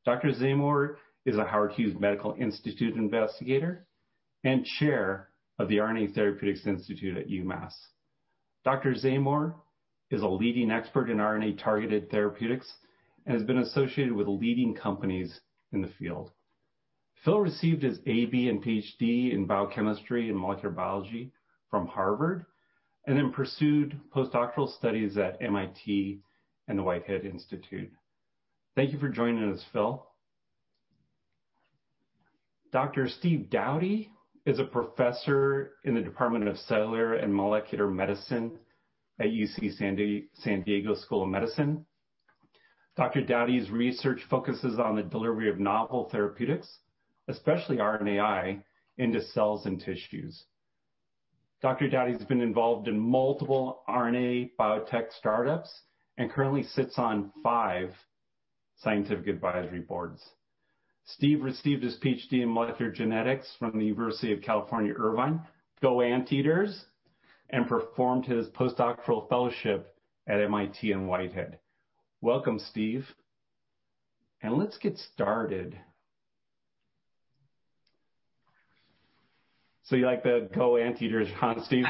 Dr. Zamore is a Howard Hughes Medical Institute investigator and chair of the RNA Therapeutics Institute at UMass. Dr. Zamore is a leading expert in RNA-targeted therapeutics and has been associated with leading companies in the field. Phil received his AB and PhD in biochemistry and molecular biology from Harvard and then pursued postdoctoral studies at MIT and the Whitehead Institute. Thank you for joining us, Phil. Dr. Steve Dowdy is a professor in the Department of Cellular and Molecular Medicine at UC San Diego School of Medicine. Dr. Dowdy's research focuses on the delivery of novel therapeutics, especially RNAi, into cells and tissues. Dr. Dowdy's been involved in multiple RNA biotech startups and currently sits on five scientific advisory boards. Steve received his PhD in molecular genetics from the University of California, Irvine, go Anteaters, and performed his postdoctoral fellowship at MIT and Whitehead. Welcome, Steve. Let's get started. You like the go Anteaters, huh, Steve?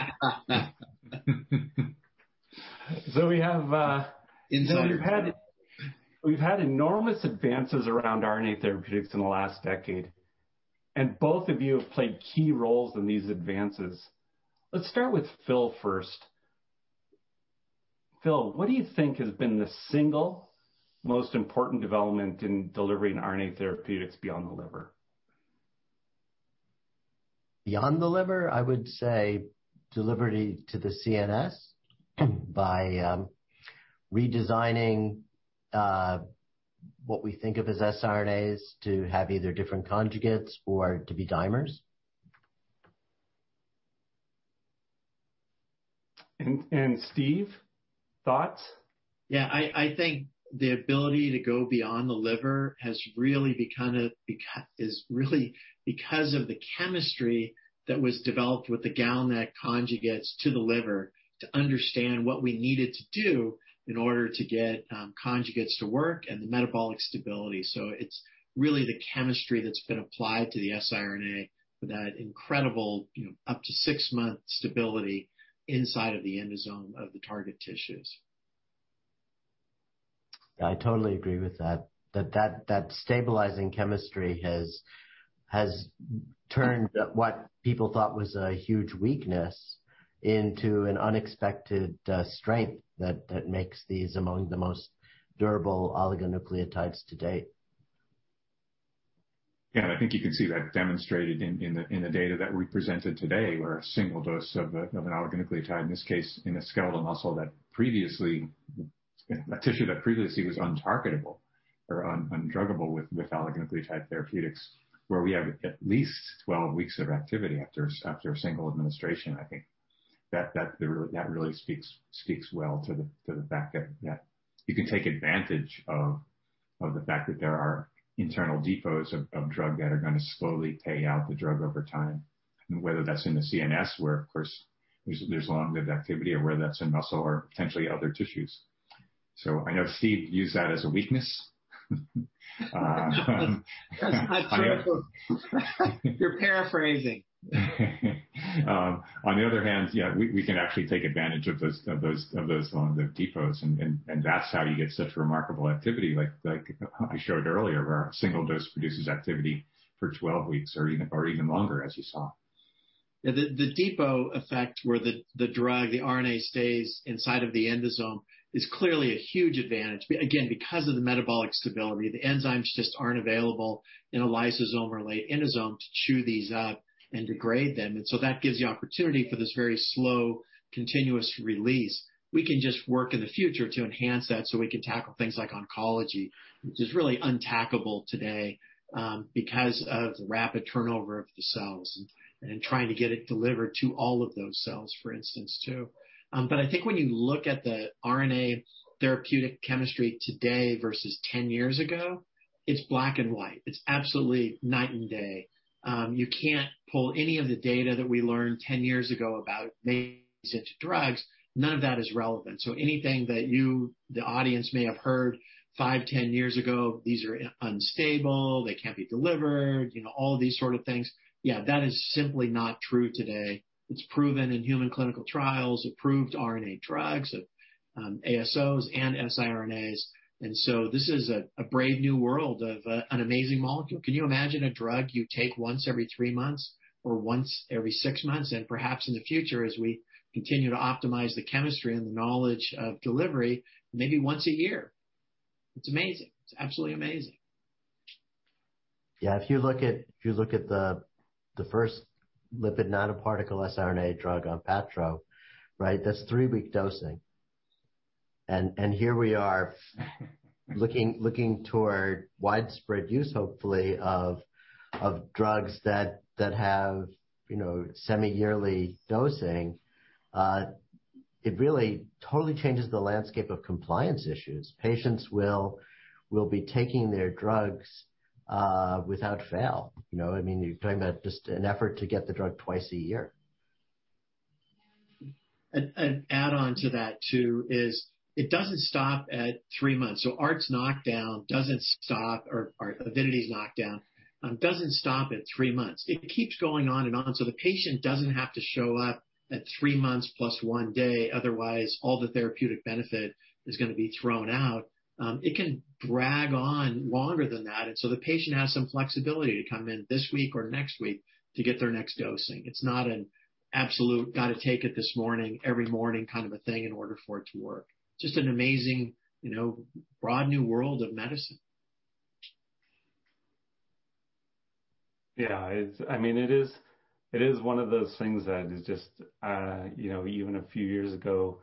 Inside joke. We've had enormous advances around RNA therapeutics in the last decade. Both of you have played key roles in these advances. Let's start with Phil first. Phil, what do you think has been the single most important development in delivering RNA therapeutics beyond the liver? Beyond the liver, I would say delivery to the CNS by redesigning what we think of as siRNAs to have either different conjugates or to be dimers. Steve, thoughts? Yeah, I think the ability to go beyond the liver is really because of the chemistry that was developed with the GalNAc that conjugates to the liver to understand what we needed to do in order to get conjugates to work and the metabolic stability. It's really the chemistry that's been applied to the siRNA for that incredible up to six months stability inside of the endosome of the target tissues. Yeah, I totally agree with that stabilizing chemistry has turned what people thought was a huge weakness into an unexpected strength that makes these among the most durable oligonucleotides to date. Yeah. I think you can see that demonstrated in the data that we presented today where a single dose of an oligonucleotide, in this case, in a skeletal muscle that previously, a tissue that previously was untargetable or undruggable with oligonucleotide therapeutics, where we have at least 12 weeks of activity after a single administration. I think that really speaks well to the fact that you can take advantage of the fact that there are internal depots of drug that are going to slowly pay out the drug over time, and whether that's in the CNS where, of course, there's long-lived activity or whether that's in muscle or potentially other tissues. I know Steve Dowdy used that as a weakness. That's not true. You're paraphrasing. On the other hand, yeah, we can actually take advantage of those long lived depots, and that's how you get such remarkable activity like I showed earlier, where a single dose produces activity for 12 weeks or even longer as we saw. The depot effect where the drug, the RNA stays inside of the endosome is clearly a huge advantage, but again, because of the metabolic stability, the enzymes just aren't available in a lysosome or late endosome to chew these up and degrade them. That gives the opportunity for this very slow continuous release. We can just work in the future to enhance that so we can tackle things like oncology, which is really untackable today because of the rapid turnover of the cells and trying to get it delivered to all of those cells, for instance, too. I think when you look at the RNA therapeutic chemistry today versus 10 years ago, it's black and white. It's absolutely night and day. You can't pull any of the data that we learned 10 years ago about these types of drugs, none of that is relevant. Anything that you, the audience may have heard five, 10 years ago, these are unstable, they can't be delivered, all these sort of things, yeah, that is simply not true today. It's proven in human clinical trials, approved RNA drugs of ASOs and siRNAs. This is a brave new world of an amazing molecule. Can you imagine a drug you take once every three months or once every six months, and perhaps in the future, as we continue to optimize the chemistry and the knowledge of delivery, maybe once a year? It's amazing. It's absolutely amazing. Yeah, if you look at the first lipid nanoparticle siRNA drug, ONPATTRO, that's three-week dosing. Here we are looking toward widespread use, hopefully, of drugs that have semi-yearly dosing. It really totally changes the landscape of compliance issues. Patients will be taking their drugs without fail. You're doing just an effort to get the drug twice a year. An add-on to that too is it doesn't stop at three months. Art's, knockdown doesn't stop or Avidity's knockdown doesn't stop at three months. It keeps going on and on, so the patient doesn't have to show up at three months plus one day, otherwise, all the therapeutic benefit is going to be thrown out. It can drag on longer than that, and so the patient has some flexibility to come in this week or next week to get their next dosing. It's not an absolute got to take it this morning, every morning kind of a thing in order for it to work. Just an amazing, broad new world of medicine. Yeah. It is one of those things that is just, even a few years ago,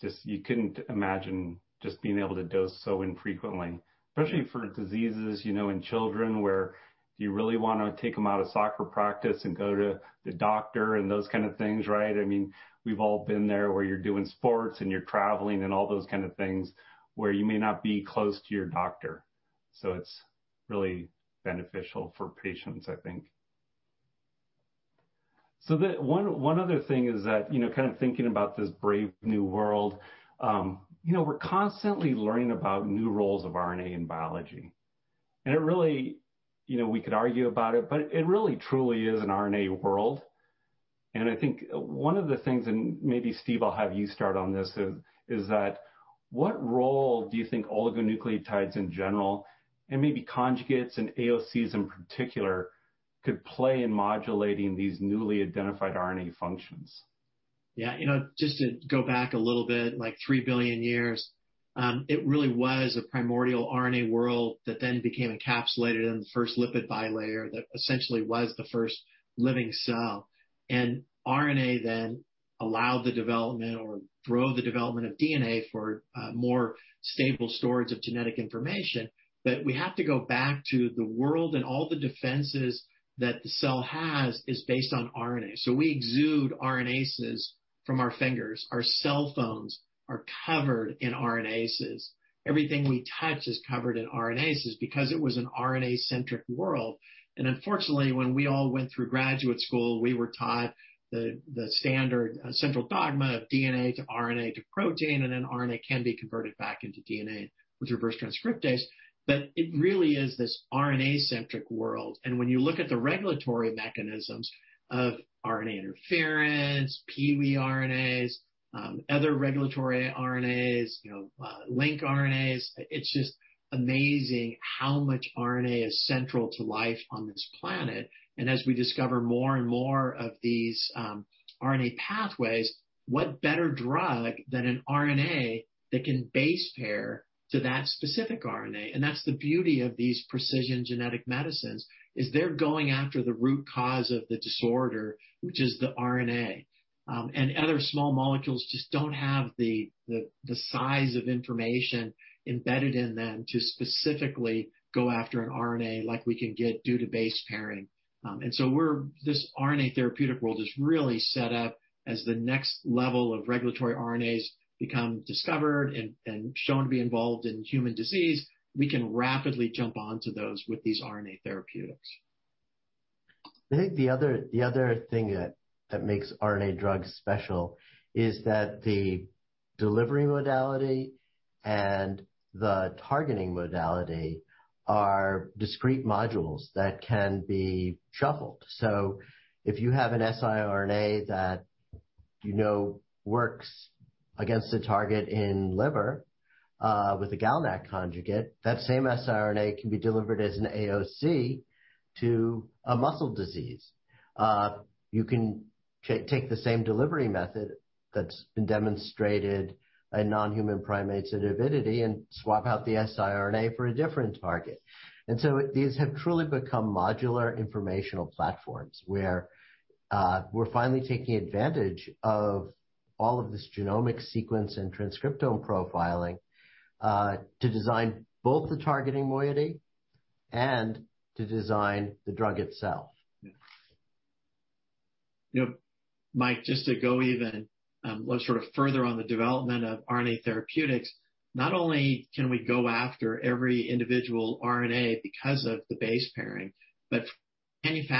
just you couldn't imagine just being able to dose so infrequently, especially for diseases in children where you really want to take them out of soccer practice and go to the doctor and those kind of things, right? We've all been there where you're doing sports and you're traveling and all those kind of things where you may not be close to your doctor. It's really beneficial for patients, I think. One other thing is that, kind of thinking about this brave new world, we're constantly learning about new roles of RNA in biology, and we could argue about it, but it really truly is an RNA world. I think one of the things, and maybe, Steve, I'll have you start on this, is that what role do you think oligonucleotides in general and maybe conjugates and AOCs in particular could play in modulating these newly identified RNA functions? Yeah. Just to go back a little bit, like 3 billion years, it really was a primordial RNA world that then became encapsulated in the first lipid bilayer that essentially was the first living cell. RNA then allowed the development or drove the development of DNA for a more stable storage of genetic information, that we have to go back to the world and all the defenses that the cell has is based on RNA. We exude RNases from our fingers. Our cell phones are covered in RNases. Everything we touch is covered in RNases because it was an RNA-centric world. Unfortunately, when we all went through graduate school, we were taught the standard central dogma of DNA to RNA to protein, and then RNA can be converted back into DNA with reverse transcriptase. It really is this RNA-centric world. When you look at the regulatory mechanisms of RNA interference, piRNAs, other regulatory RNAs, lincRNAs, it's just amazing how much RNA is central to life on this planet. As we discover more and more of these RNA pathways, what better drug than an RNA that can base pair to that specific RNA? That's the beauty of these precision genetic medicines, is they're going after the root cause of the disorder, which is the RNA. Other small molecules just don't have the size of information embedded in them to specifically go after an RNA like we can get due to base pairing. This RNA therapeutic world is really set up as the next level of regulatory RNAs become discovered and shown to be involved in human disease, we can rapidly jump onto those with these RNA therapeutics. I think the other thing that makes RNA drugs special is that the delivery modality and the targeting modality are discrete modules that can be shuffled. If you have an siRNA that you know works against a target in liver with a GalNAc conjugate, that same siRNA can be delivered as an AOC to a muscle disease. You can take the same delivery method that's been demonstrated in non-human primates at Avidity and swap out the siRNA for a different target. These have truly become modular informational platforms where we're finally taking advantage of all of this genomic sequence and transcriptome profiling to design both the targeting moiety and to design the drug itself. Yep. Mike, just to go even sort of further on the development of RNA therapeutics, not only can we go after every individual RNA because of the base pairing, but cGMP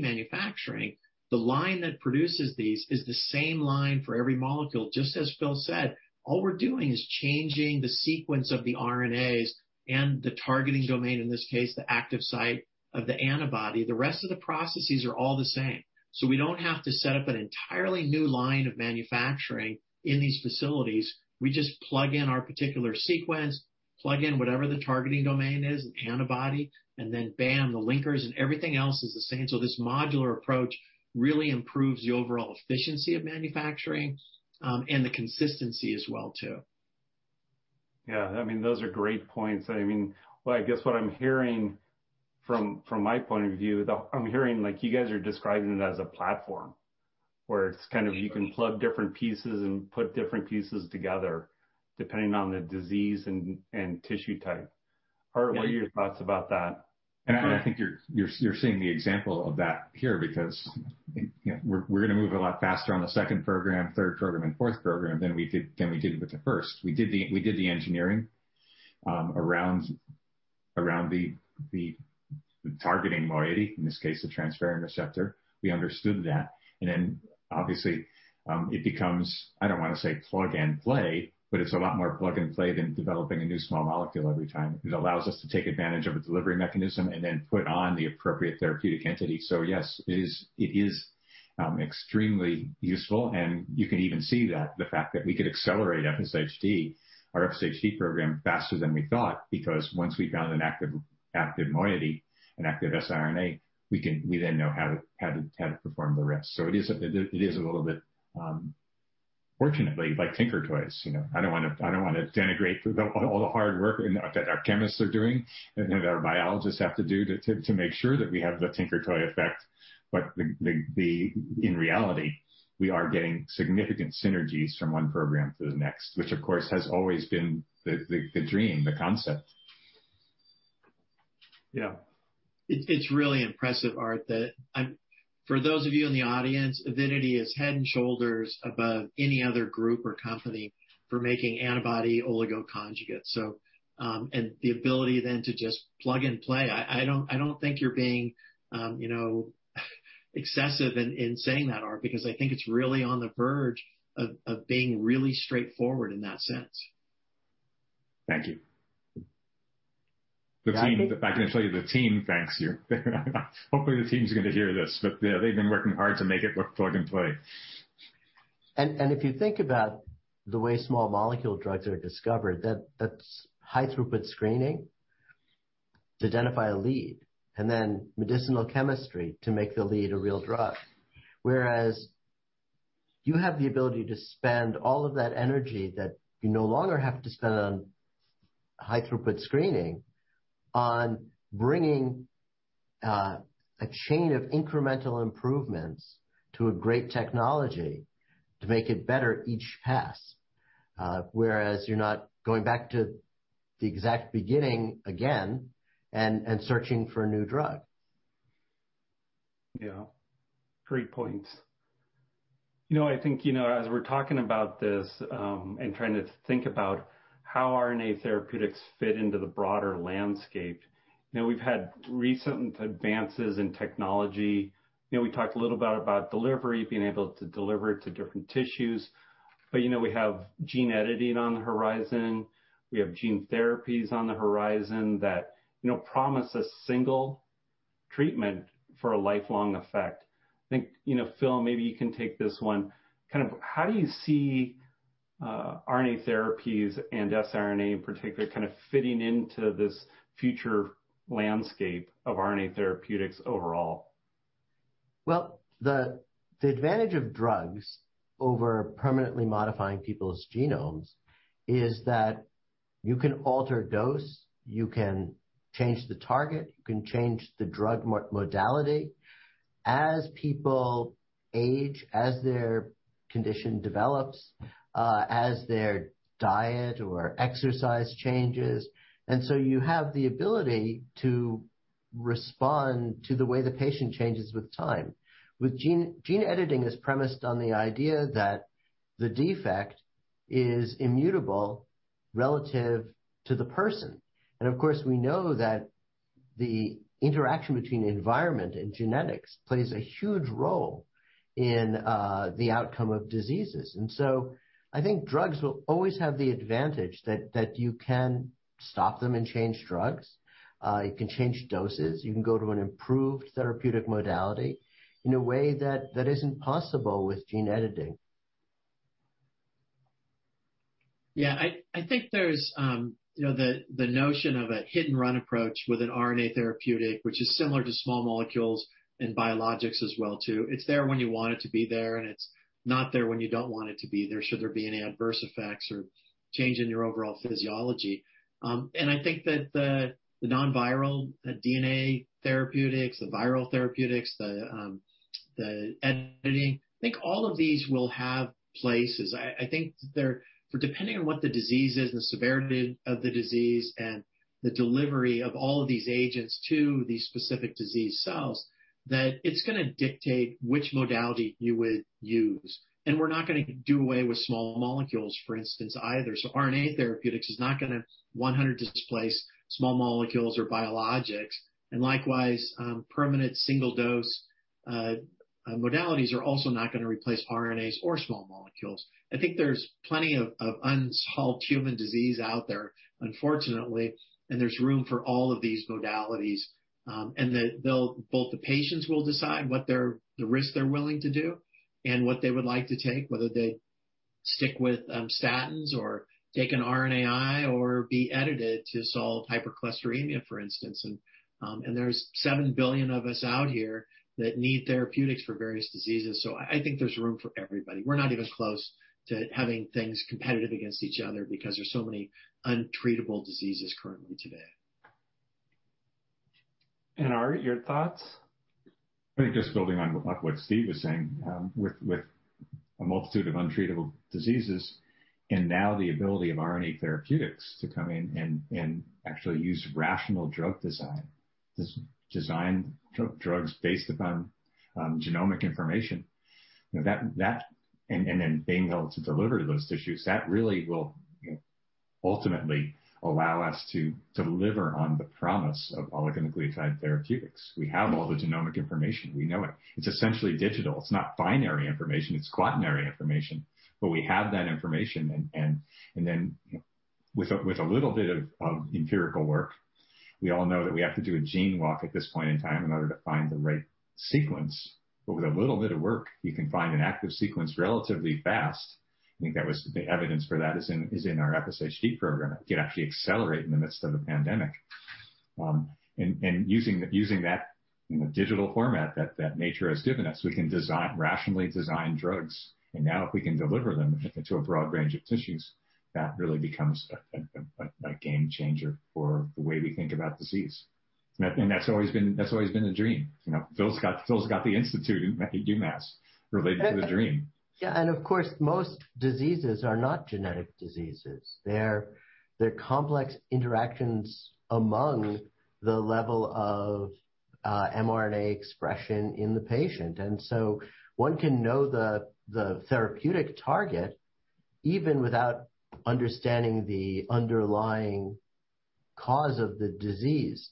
manufacturing, the line that produces these is the same line for every molecule. Just as Phil said, all we're doing is changing the sequence of the RNAs and the targeting domain, in this case, the active site of the antibody. The rest of the processes are all the same. We don't have to set up an entirely new line of manufacturing in these facilities. We just plug in our particular sequence, plug in whatever the targeting domain is, the antibody, and then bam, the linkers and everything else is the same. This modular approach really improves the overall efficiency of manufacturing and the consistency as well too. Yeah, those are great points. I guess what I'm hearing from my point of view, though, I'm hearing you guys are describing it as a platform where it's kind of you can plug different pieces and put different pieces together depending on the disease and tissue type. Art, what are your thoughts about that? I think you're seeing the example of that here because we're going to move a lot faster on the second program, third program, and fourth program than we did with the first. We did the engineering around the targeting moiety, in this case, the transferrin receptor. We understood that, and then obviously it becomes, I don't want to say plug and play, but it's a lot more plug and play than developing a new small molecule every time. It allows us to take advantage of a delivery mechanism and then put on the appropriate therapeutic entity. Yes, it is extremely useful, and you can even see that the fact that we could accelerate FSHD, our FSHD program faster than we thought because once we found an active moiety, an active siRNA, we then know how to perform the rest. It is a little bit, fortunately, like Tinkertoys. I don't want to denigrate all the hard work that our chemists are doing and that our biologists have to do to make sure that we have the Tinkertoy effect. In reality, we are getting significant synergies from one program to the next, which of course has always been the dream, the concept. Yeah. It's really impressive, Art, that for those of you in the audience, Avidity is head and shoulders above any other group or company for making antibody-oligo conjugates. The ability then to just plug and play, I don't think you're being excessive in saying that, Art, because I think it's really on the verge of being really straightforward in that sense. Thank you. Right? I can tell you the team thanks you. Hopefully, the team's going to hear this, but they've been working hard to make it look plug and play. If you think about the way small molecule drugs are discovered, that's high-throughput screening to identify a lead, and then medicinal chemistry to make the lead a real drug. Whereas you have the ability to spend all of that energy that you no longer have to spend on high-throughput screening on bringing a chain of incremental improvements to a great technology to make it better each pass, whereas you're not going back to the exact beginning again and searching for a new drug. Yeah. Great points. I think, as we're talking about this and trying to think about how RNA therapeutics fit into the broader landscape, we've had recent advances in technology. We talked a little about delivery, being able to deliver it to different tissues. We have gene editing on the horizon, we have gene therapies on the horizon that promise a single treatment for a lifelong effect. I think, Phil, maybe you can take this one. How do you see RNA therapies and siRNA in particular fitting into this future landscape of RNA therapeutics overall? Well, the advantage of drugs over permanently modifying people's genomes is that you can alter dose, you can change the target, you can change the drug modality as people age, as their condition develops, as their diet or exercise changes. You have the ability to respond to the way the patient changes with time. With gene editing is premised on the idea that the defect is immutable relative to the person. Of course, we know that the interaction between environment and genetics plays a huge role in the outcome of diseases. I think drugs will always have the advantage that you can stop them and change drugs. You can change doses. You can go to an improved therapeutic modality in a way that isn't possible with gene editing. Yeah. I think there's the notion of a hit-and-run approach with an RNA therapeutic, which is similar to small molecules and biologics as well too. It's there when you want it to be there, and it's not there when you don't want it to be there, should there be any adverse effects or change in your overall physiology. I think that the non-viral DNA therapeutics, the viral therapeutics, the editing, I think all of these will have places. I think that depending on what the disease is, the severity of the disease, and the delivery of all of these agents to the specific disease cells, that it's going to dictate which modality you would use. We're not going to do away with small molecules, for instance, either. RNA therapeutics is not going to 100% displace small molecules or biologics, and likewise, permanent single-dose modalities are also not going to replace RNAs or small molecules. I think there's plenty of unsolved human disease out there, unfortunately, and there's room for all of these modalities, and that both the patients will decide what the risk they're willing to do and what they would like to take, whether they stick with statins or take an RNAi or be edited to solve hypercholesterolemia, for instance. There's 7 billion of us out here that need therapeutics for various diseases. I think there's room for everybody. We're not even close to having things competitive against each other because there's so many untreatable diseases currently today. Art, your thoughts? I think just building on top what Steve was saying, with a multitude of untreatable diseases and now the ability of RNA therapeutics to come in and actually use rational drug design drugs based upon genomic information. Then being able to deliver to those tissues, that really will ultimately allow us to deliver on the promise of oligonucleotide therapeutics. We have all the genomic information. We know it. It's essentially digital. It's not binary information, it's quaternary information. We have that information, and then with a little bit of empirical work, we all know that we have to do a gene walk at this point in time in order to find the right sequence. With a little bit of work, you can find an active sequence relatively fast. I think the evidence for that is in our FSHD program. It can actually accelerate in the midst of a pandemic. Using that digital format that nature has given us, we can rationally design drugs. Now if we can deliver them to a broad range of tissues, that really becomes a game changer for the way we think about disease. That's always been the dream. Phil's got the institute at UMass related to the dream. Yeah, of course, most diseases are not genetic diseases. They're complex interactions among the level of mRNA expression in the patient. One can know the therapeutic target even without understanding the underlying cause of the disease.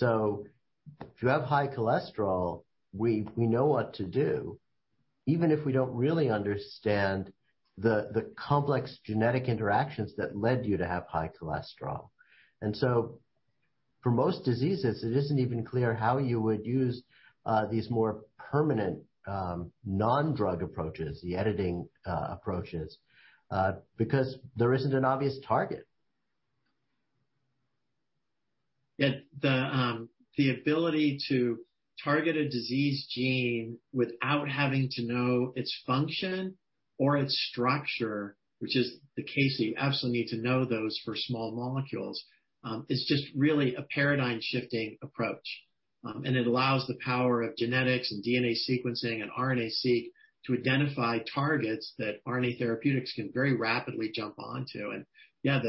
If you have high cholesterol, we know what to do, even if we don't really understand the complex genetic interactions that led you to have high cholesterol. For most diseases, it isn't even clear how you would use these more permanent non-drug approaches, the editing approaches, because there isn't an obvious target. The ability to target a disease gene without having to know its function or its structure, which is the case that you absolutely need to know those for small molecules, is just really a paradigm-shifting approach. It allows the power of genetics and DNA sequencing and RNA-Seq to identify targets that RNA therapeutics can very rapidly jump onto. Yeah,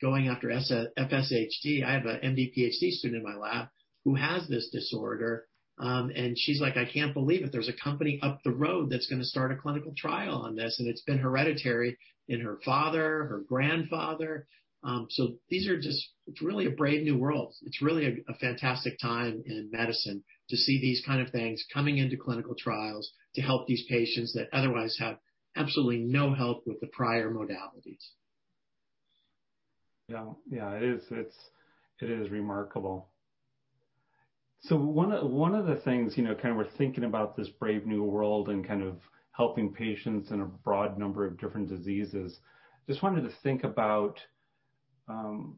going after FSHD, I have an MD-PhD student in my lab who has this disorder, and she's like, "I can't believe it." There's a company up the road that's going to start a clinical trial on this. It's been hereditary in her father, her grandfather. It's really a brave new world. It's really a fantastic time in medicine to see these kind of things coming into clinical trials to help these patients that otherwise have absolutely no help with the prior modalities. Yeah. It is remarkable. One of the things, we're thinking about this brave new world and helping patients in a broad number of different diseases. Just wanted to think about, and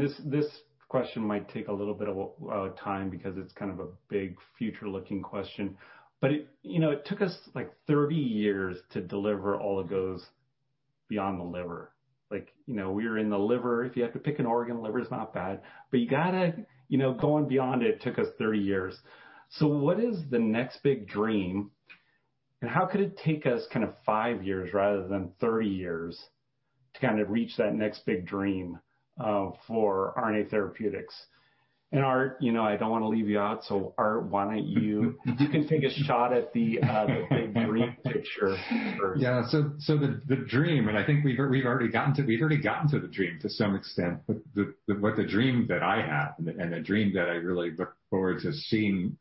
this question might take a little bit of time because it's a big future-looking question, but it took us 30 years to deliver oligos beyond the liver. We were in the liver. If you had to pick an organ, liver is not bad, but going beyond it took us 30 years. What is the next big dream, and how could it take us five years rather than 30 years to reach that next big dream for RNA therapeutics? Art, I don't want to leave you out, so Art, why don't you take a shot at the big dream picture first? The dream, and I think we've already gotten to the dream to some extent, but the dream that I have and a dream that I really look forward to seeing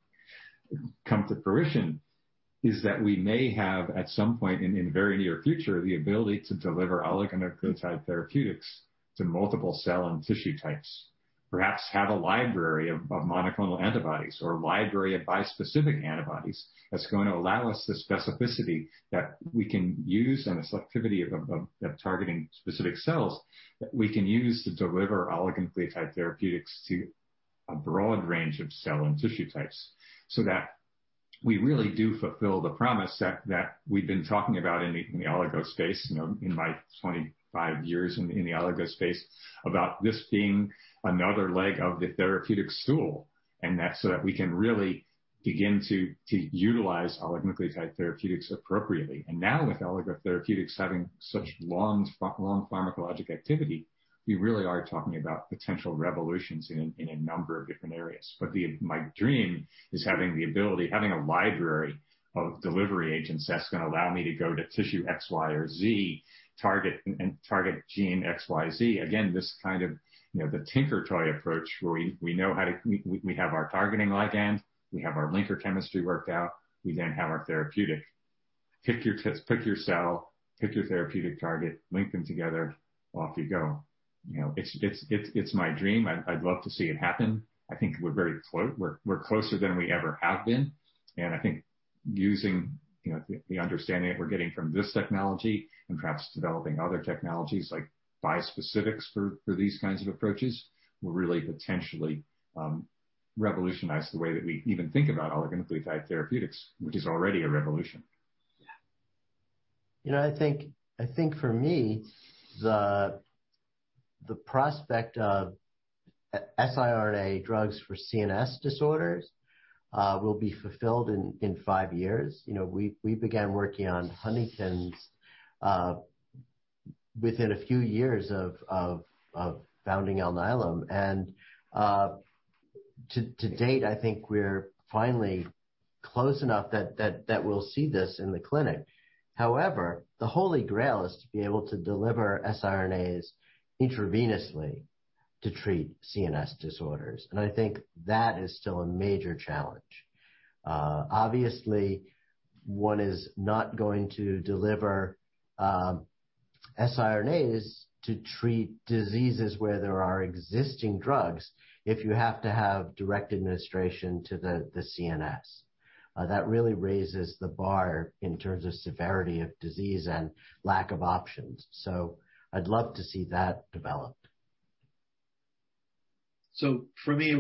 come to fruition is that we may have, at some point in the very near future, the ability to deliver oligonucleotide therapeutics to multiple cell and tissue types. Perhaps have a library of monoclonal antibodies or a library of bispecific antibodies that's going to allow us the specificity that we can use and the selectivity of targeting specific cells that we can use to deliver oligonucleotide therapeutics to a broad range of cell and tissue types. That we really do fulfill the promise that we've been talking about in the oligos space, in my 25 years in the oligos space, about this being another leg of the therapeutic stool, and that so that we can really begin to utilize oligonucleotide therapeutics appropriately. Now with oligonucleotide therapeutics having such long pharmacologic activity, we really are talking about potential revolutions in a number of different areas. My dream is having the ability, having a library of delivery agents that's going to allow me to go to tissue X, Y, or Z, target gene X, Y, Z. Again, this kind of the Tinkertoy approach where we have our targeting ligand, we have our linker chemistry worked out, we then have our therapeutic. Pick your cell, pick your therapeutic target, link them together, off you go. It's my dream. I'd love to see it happen. I think we're very close. We're closer than we ever have been. I think using the understanding that we're getting from this technology and perhaps developing other technologies like bispecifics for these kinds of approaches will really potentially revolutionize the way that we even think about oligonucleotide therapeutics, which is already a revolution. Yeah. I think for me, the prospect of siRNA drugs for CNS disorders will be fulfilled in five years. We began working on Huntington's within a few years of founding Alnylam. To date, I think we're finally close enough that we'll see this in the clinic. However, the holy grail is to be able to deliver siRNAs intravenously to treat CNS disorders. I think that is still a major challenge. Obviously, one is not going to deliver siRNAs to treat diseases where there are existing drugs if you have to have direct administration to the CNS. That really raises the bar in terms of severity of disease and lack of options. I'd love to see that developed. For me,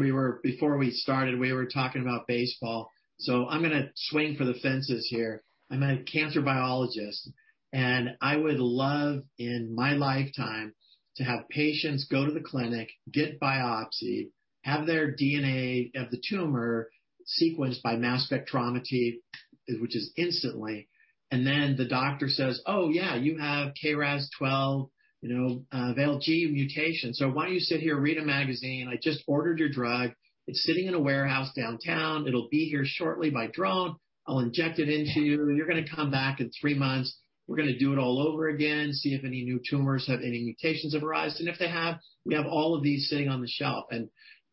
before we started, we were talking about baseball. I'm going to swing for the fences here. I'm a cancer biologist. I would love in my lifetime to have patients go to the clinic, get biopsied, have their DNA of the tumor sequenced by mass spectrometry, which is instantly. Then the doctor says, "Oh, yeah, you have KRAS 12, G12V mutation." Why don't you sit here, read a magazine. I just ordered your drug. It's sitting in a warehouse downtown. It'll be here shortly by drone. I'll inject it into you. You're going to come back in three months. We're going to do it all over again, see if any new tumors have any mutations arise. If they have, we have all of these sitting on the shelf.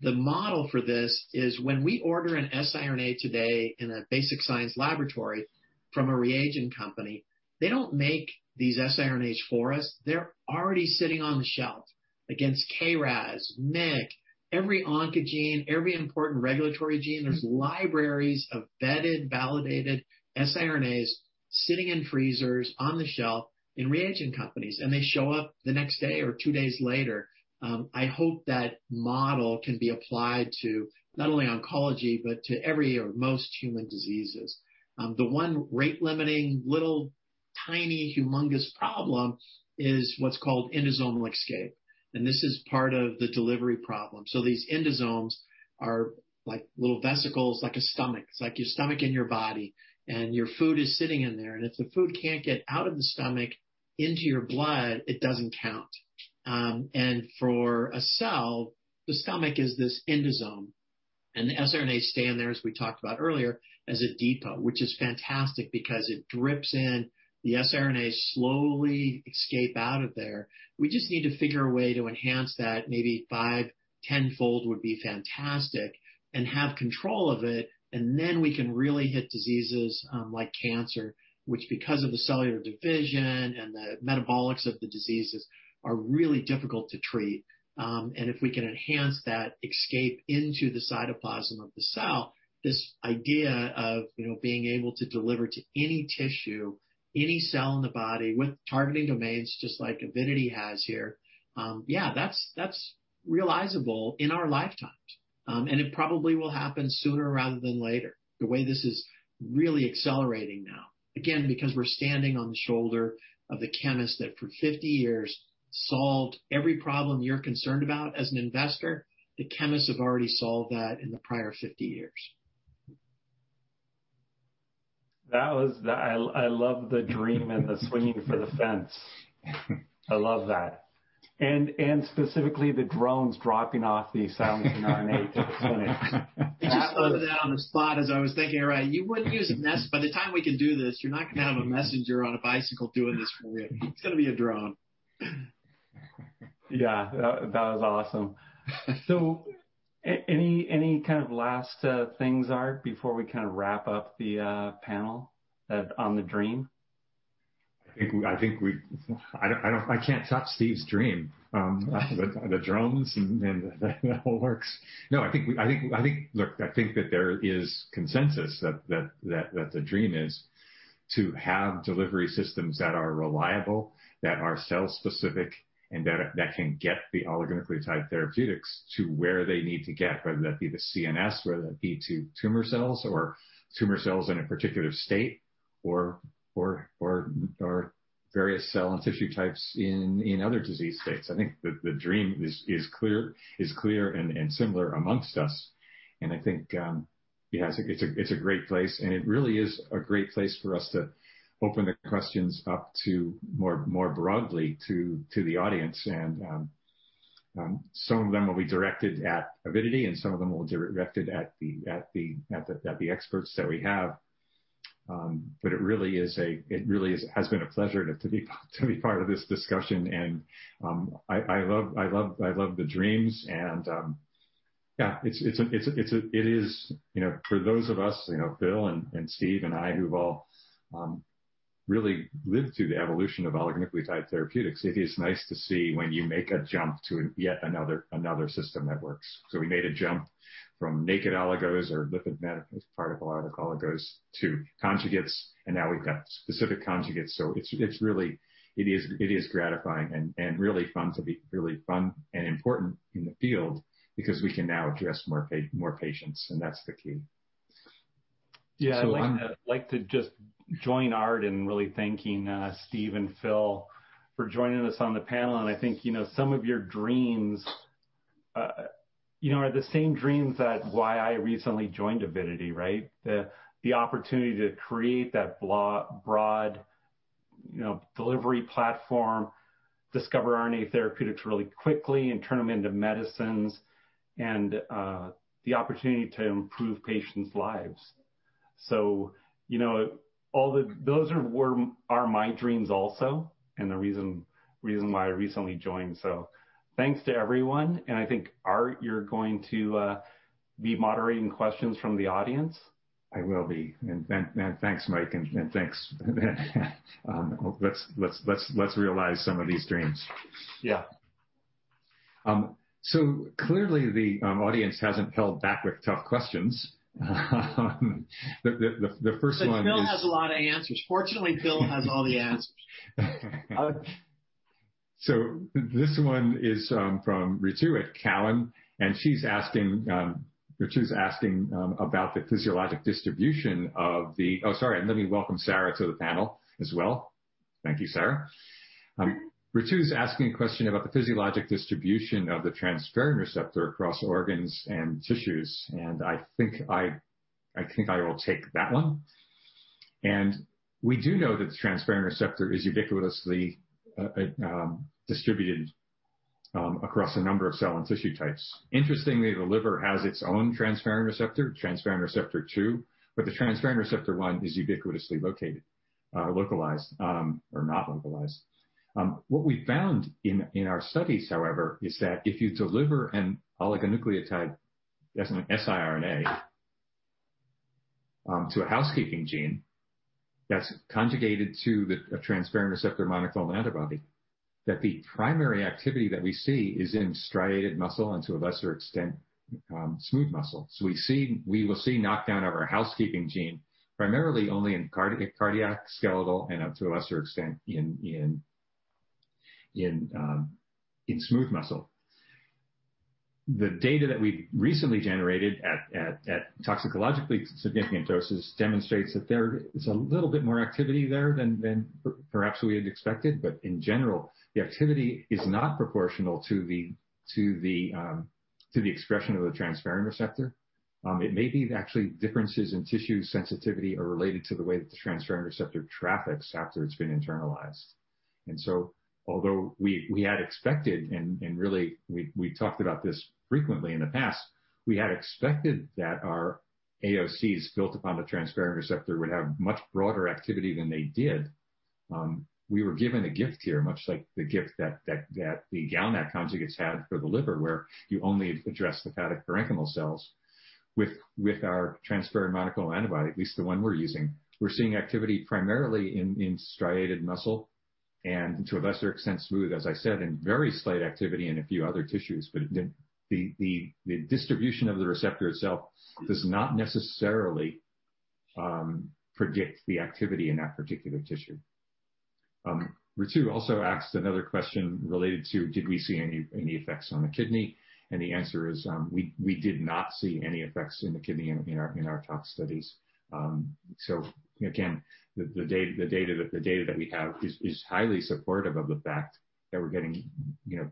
The model for this is when we order an siRNA today in a basic science laboratory from a reagent company, they don't make these siRNAs for us. They're already sitting on the shelf against KRAS, MYC, every oncogene, every important regulatory gene, there's libraries of vetted, validated siRNAs sitting in freezers on the shelf in reagent companies. They show up the next day or two days later. I hope that model can be applied to not only oncology, but to every or most human diseases. The one rate-limiting little, tiny, humongous problem is what's called endosomal escape. This is part of the delivery problem. These endosomes are like little vesicles, like a stomach. It's like your stomach in your body, and your food is sitting in there. If the food can't get out of the stomach into your blood, it doesn't count. For a cell, the stomach is this endosome, and the siRNA stay in there, as we talked about earlier, as a depot, which is fantastic because it drips in, the siRNA slowly escape out of there. We just need to figure a way to enhance that, maybe five, 10-fold would be fantastic, and have control of it. Then we can really hit diseases like cancer, which because of the cellular division and the metabolics of the diseases, are really difficult to treat. If we can enhance that escape into the cytoplasm of the cell, this idea of being able to deliver to any tissue, any cell in the body with targeting domains, just like Avidity has here, yeah, that's realizable in our lifetimes. It probably will happen sooner rather than later, the way this is really accelerating now. Because we're standing on the shoulder of the chemists that for 50 years solved every problem you're concerned about as an investor, the chemists have already solved that in the prior 50 years. I love the dream and the swinging for the fence. I love that. Specifically the drones dropping off the silencing RNA to clinic. I just thought that on the spot as I was thinking, right, you wouldn't use a messenger. By the time we can do this, you're not going to have a messenger on a bicycle doing this for you. It's going to be a drone. Yeah. That was awesome. Any last things, Art, before we wrap up the panel on the dream? I can't top Steve's dream with the drones and the whole works. No, I think that there is consensus that the dream is to have delivery systems that are reliable, that are cell-specific, and that can get the oligonucleotide therapeutics to where they need to get, whether that be the CNS, whether that be to tumor cells or tumor cells in a particular state or various cell and tissue types in other disease states. I think that the dream is clear and similar amongst us, and I think, yeah, it's a great place, and it really is a great place for us to open the questions up more broadly to the audience. Some of them will be directed at Avidity, and some of them will be directed at the experts that we have. It really has been a pleasure to be part of this discussion, and I love the dreams, and yeah, for those of us, Phil and Steve and I, who've all really lived through the evolution of oligonucleotide therapeutics, it is nice to see when you make a jump to yet another system that works. We made a jump from naked oligos or lipid particle oligos to conjugates, and now we've got specific conjugates. It is gratifying and really fun to be really fun and important in the field because we can now address more patients, and that's the key. Yeah. I'd like to just join Art in really thanking Steve and Phil for joining us on the panel. I think some of your dreams are the same dreams that why I recently joined Avidity, right? The opportunity to create that broad delivery platform, discover RNA therapeutics really quickly and turn them into medicines, and the opportunity to improve patients' lives. Those are my dreams also and the reason why I recently joined. Thanks to everyone, and I think, Art, you're going to be moderating questions from the audience. I will be. Thanks, Mike, and thanks. Let's realize some of these dreams. Yeah. Clearly, the audience hasn't held back with tough questions. The first one is. Phil has a lot of answers. Fortunately, Phil has all the answers. This one is from Ritu at Cowen. Ritu's asking about the physiologic distribution of the. Sorry, let me welcome Sarah to the panel as well. Thank you, Sarah. Ritu's asking a question about the physiologic distribution of the transferrin receptor across organs and tissues. I think I will take that one. We do know that the transferrin receptor is ubiquitously distributed across a number of cell and tissue types. Interestingly, the liver has its own transferrin receptor, transferrin receptor 2, but the transferrin receptor 1 is ubiquitously localized or not localized. What we found in our studies, however, is that if you deliver an oligonucleotide as an siRNA to a housekeeping gene that's conjugated to the transferrin receptor monoclonal antibody, that the primary activity that we see is in striated muscle and to a lesser extent, smooth muscle. We will see knockdown of our housekeeping gene primarily only in cardiac, skeletal, and to a lesser extent in smooth muscle. The data that we recently generated at toxicologically significant doses demonstrates that there is a little bit more activity there than perhaps we had expected. In general, the activity is not proportional to the expression of the transferrin receptor. It may be actually differences in tissue sensitivity are related to the way the transferrin receptor traffics after it's been internalized. Although we had expected, and really, we talked about this frequently in the past, we had expected that our AOCs built upon the transferrin receptor would have much broader activity than they did. We were given a gift here, much like the gift that the GalNAc had for the liver, where you only address hepatic parenchymal cells with our transferrin monoclonal antibody, at least the one we're using. We're seeing activity primarily in striated muscle and to a lesser extent, smooth, as I said, and very slight activity in a few other tissues. The distribution of the receptor itself does not necessarily predict the activity in that particular tissue. Ritu also asked another question related to did we see any effects on the kidney, and the answer is we did not see any effects on the kidney in our tox studies. Again, the data that we have is highly supportive of the fact that we're getting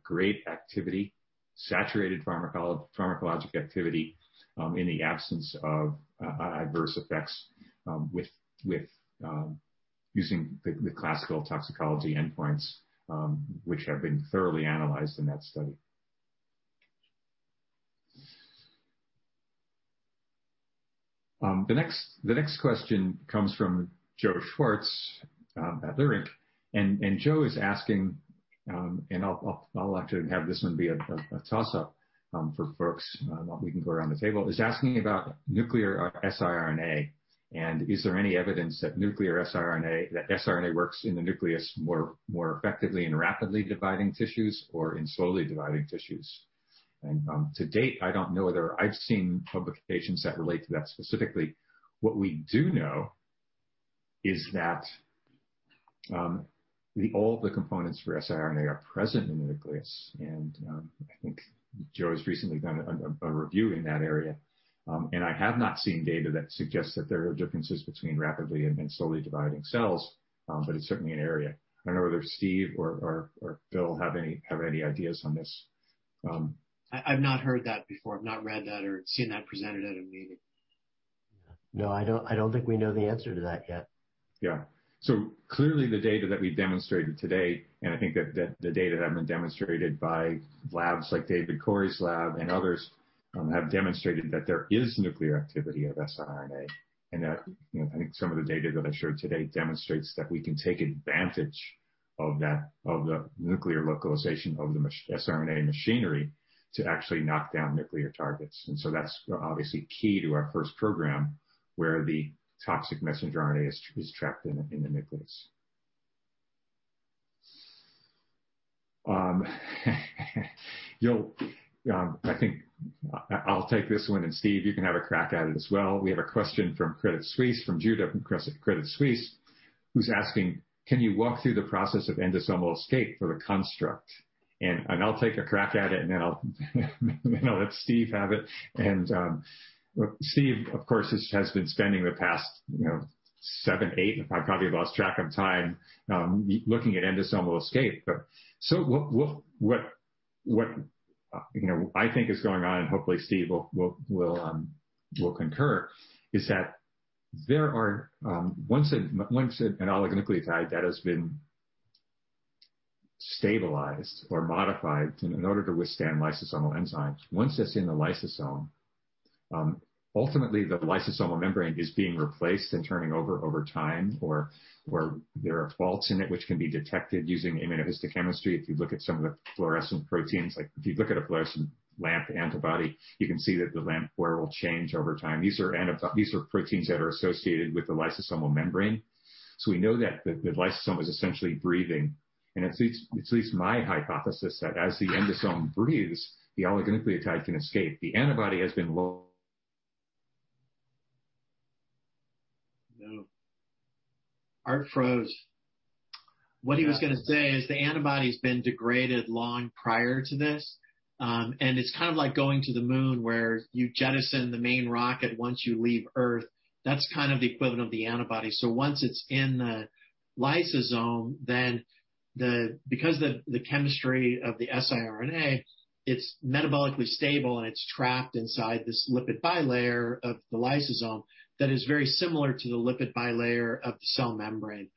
great activity, saturated pharmacologic activity, in the absence of adverse effects, using the classical toxicology endpoints, which have been thoroughly analyzed in that study. The next question comes from Joe Schwartz at Leerink. Joe is asking, and I'll let you have this one be a toss-up for folks, we can go around the table. He's asking about nuclear siRNA, is there any evidence that siRNA works in the nucleus more effectively in rapidly dividing tissues or in slowly dividing tissues? To date, I don't know whether I've seen publications that relate to that specifically. What we do know is that all the components for siRNA are present in the nucleus, I think Joe has recently done a review in that area. I have not seen data that suggests that there are differences between rapidly and slowly dividing cells, but it's certainly an area. I don't know whether Steve or Phil have any ideas on this. I've not heard that before. I've not read that or seen that presented at a meeting. No, I don't think we know the answer to that yet. Yeah. Clearly the data that we demonstrated today, and I think the data that have been demonstrated by labs like David Corey's lab and others, have demonstrated that there is nuclear activity of siRNA. I think some of the data that I showed today demonstrates that we can take advantage of the nuclear localization of the siRNA machinery to actually knock down nuclear targets. That's obviously key to our first program, where the toxic messenger RNA is trapped in the nucleus. I think I'll take this one, and Steve, you can have a crack at it as well. We have a question from Credit Suisse, from Judah from Credit Suisse, who's asking, can you walk through the process of endosomal escape for the construct? I'll take a crack at it, and then I'll let Steve have it. Steve, of course, has been spending the past seven, eight, I probably lost track of time, looking at endosomal escape. What I think is going on, hopefully Steve will concur, is that once an oligonucleotide that has been stabilized or modified in order to withstand lysosomal enzymes, once it's in the lysosome, ultimately the lysosomal membrane is being replaced and turning over time, or there are faults in it which can be detected using immunohistochemistry. If you look at some of the fluorescent proteins, like if you look at a fluorescent LAMP antibody, you can see that the LAMP flare will change over time. These are proteins that are associated with the lysosomal membrane. We know that the lysosome is essentially breathing, and it's at least my hypothesis that as the endosome breathes, the oligonucleotide can escape. No. Art froze. What he was going to say is the antibody's been degraded long prior to this, and it's kind of like going to the moon, where you jettison the main rocket once you leave Earth. That's kind of the equivalent of the antibody. Once it's in the lysosome, then because of the chemistry of the siRNA, it's metabolically stable, and it's trapped inside this lipid bilayer of the lysosome that is very similar to the lipid bilayer of the cell membrane.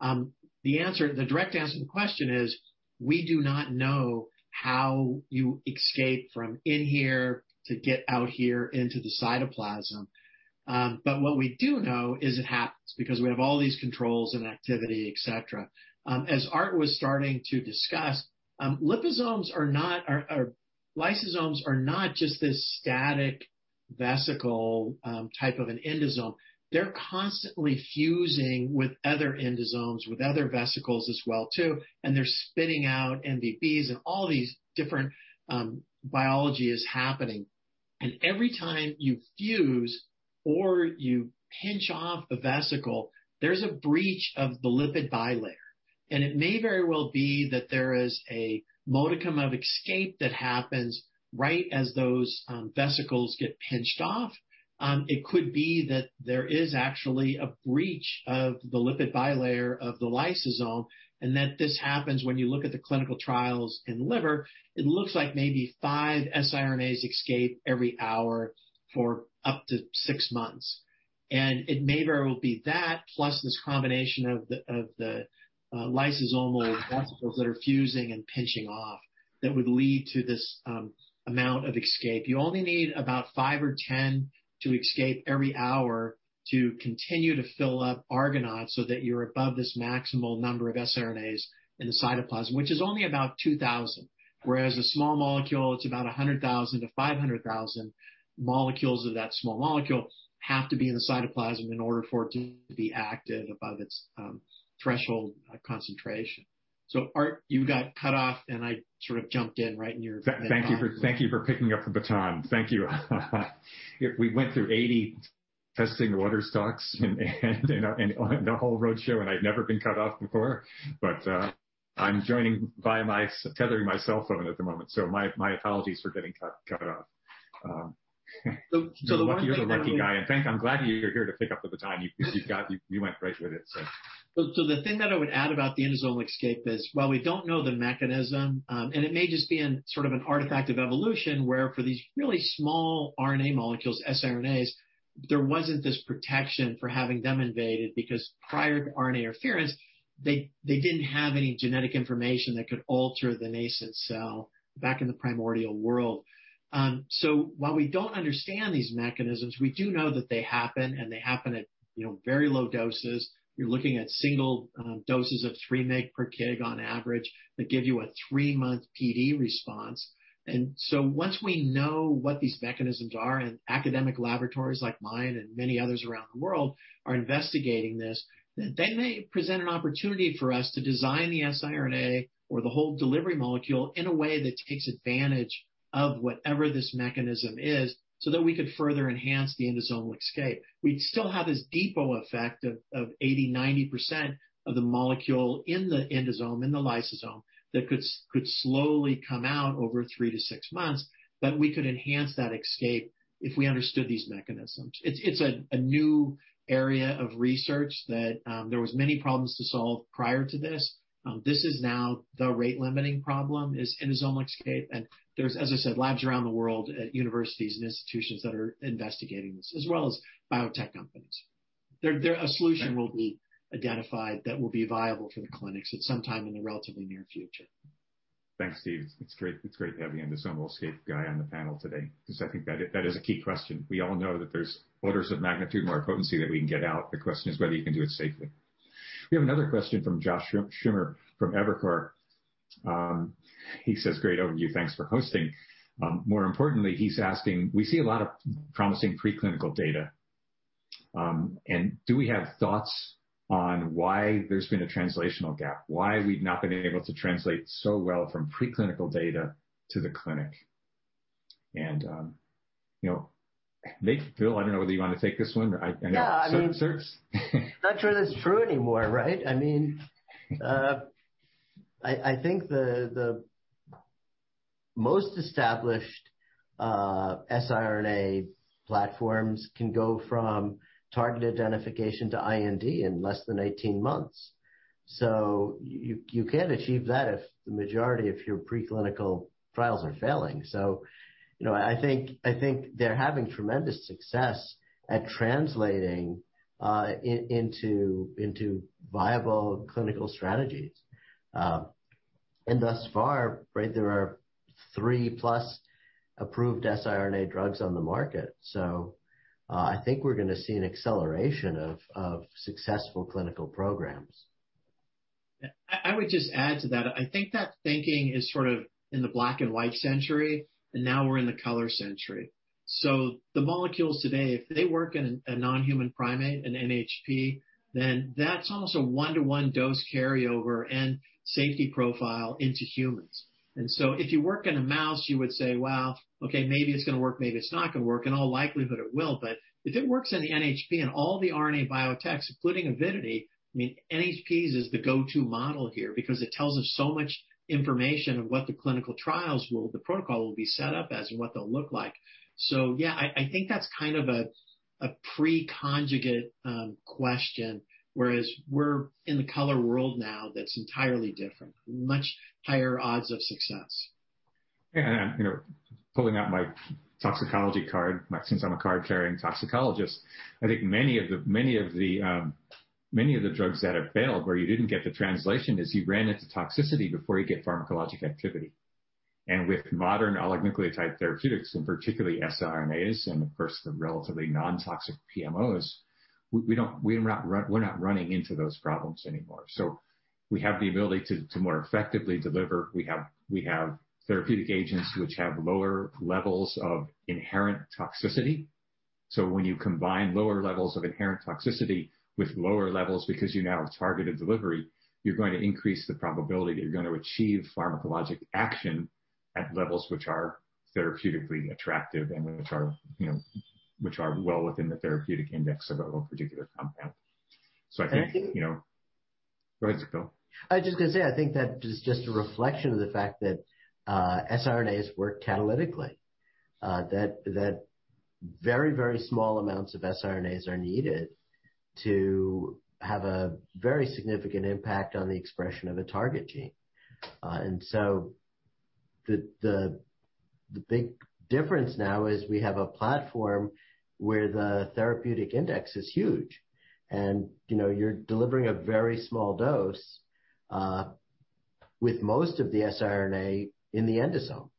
The direct answer to the question is, we do not know how you escape from in here to get out here into the cytoplasm. What we do know is it happens because we have all these controls and activity, et cetera. As Art was starting to discuss, lysosomes are not just this static vesicle type of an endosome. They're constantly fusing with other endosomes, with other vesicles as well too, and they're spitting out MVBs and all these different biology is happening. Every time you fuse or you pinch off a vesicle, there's a breach of the lipid bilayer. It may very well be that there is a modicum of escape that happens right as those vesicles get pinched off. It could be that there is actually a breach of the lipid bilayer of the lysosome, and that this happens when you look at the clinical trials in liver, it looks like maybe five siRNAs escape every hour for up to six months. It may very well be that plus this combination of the lysosomal vesicles that are fusing and pinching off that would lead to this amount of escape. You only need about five or 10 to escape every hour to continue to fill up Argonaute so that you're above this maximal number of siRNAs in the cytoplasm, which is only about 2,000, whereas a small molecule, it's about 100,000 to 500,000 molecules of that small molecule have to be in the cytoplasm in order for it to be active above its threshold concentration. Art, you got cut off and I sort of jumped in right near the end. Thank you for picking up the baton. Thank you. We went through 80 testing the water talks and on a whole roadshow. I'd never been cut off before. I'm joining by tethering my cell phone at the moment. My apologies for getting cut off. You're the lucky guy. In fact, I'm glad you're here to pick up the baton. You went right with it. The thing that I would add about the endosomal escape is while we don't know the mechanism, and it may just be sort of an artifact of evolution where for these really small RNA molecules, siRNAs, there wasn't this protection for having them invaded because prior to RNA interference, they didn't have any genetic information that could alter the nascent cell back in the primordial world. While we don't understand these mechanisms, we do know that they happen, and they happen at very low doses. You're looking at single doses of three mg per kg on average that give you a three-month PD response. Once we know what these mechanisms are in academic laboratories like mine and many others around the world are investigating this, they present an opportunity for us to design the siRNA or the whole delivery molecule in a way that takes advantage of whatever this mechanism is so that we could further enhance the endosomal escape. We'd still have this depot effect of 80%-90% of the molecule in the endosome, in the lysosome that could slowly come out over three to six months, but we could enhance that escape if we understood these mechanisms. It's a new area of research that there was many problems to solve prior to this. This is now the rate-limiting problem is endosomal escape, and there's, as I said, labs around the world at universities and institutions that are investigating this, as well as biotech companies. A solution will be identified that will be viable for the clinics at some time in the relatively near future. Thanks, Steve. It's great to have the endosomal escape guy on the panel today because I think that is a key question. We all know that there's orders of magnitude more potency that we can get out. The question is whether you can do it safely. We have another question from Josh Schimmer from Evercore. He says, "Great overview. Thanks for hosting." More importantly, he's asking, we see a lot of promising preclinical data, and do we have thoughts on why there's been a translational gap? Why have we not been able to translate so well from preclinical data to the clinic? Steve, Phil, I don't know whether you want to take this one. I know it sort of- Yeah. I'm not sure that's true anymore, right? I think the most established siRNA platforms can go from target identification to IND in less than 18 months. You can't achieve that if the majority of your preclinical trials are failing. I think they're having tremendous success at translating into viable clinical strategies. Thus far, there are three plus approved siRNA drugs on the market. I think we're going to see an acceleration of successful clinical programs. I would just add to that, I think that thinking is sort of in the black and white century, and now we're in the color century. The molecules today, if they work in a non-human primate, an NHP, then that's almost a one-to-one dose carryover and safety profile into humans. If you work in a mouse, you would say, well, okay, maybe it's going to work, maybe it's not going to work. In all likelihood, it will. If it works in NHP and all the RNA biotechs, including Avidity, I mean, NHPs is the go-to model here because it tells us so much information of what the clinical trials, the protocol will be set up as and what they'll look like. Yeah, I think that's kind of a pre-conjugate question, whereas we're in the AOC world now that's entirely different, much higher odds of success. Pulling out my toxicology card since I'm a card-carrying toxicologist, I think many of the drugs that have failed where you didn't get the translation is you ran into toxicity before you get pharmacologic activity. With modern oligonucleotide therapeutics, and particularly siRNAs and, of course, the relatively non-toxic PMOs, we're not running into those problems anymore. We have the ability to more effectively deliver. We have therapeutic agents which have lower levels of inherent toxicity. When you combine lower levels of inherent toxicity with lower levels, because you now have targeted delivery, you're going to increase the probability you're going to achieve pharmacologic action at levels which are therapeutically attractive and which are well within the therapeutic index of a particular compound. I think. Go ahead, Zamore. I was just going to say, I think that is just a reflection of the fact that siRNAs work catalytically, that very small amounts of siRNAs are needed to have a very significant impact on the expression of a target gene. The big difference now is we have a platform where the therapeutic index is huge, and you're delivering a very small dose with most of the siRNA in the endosome.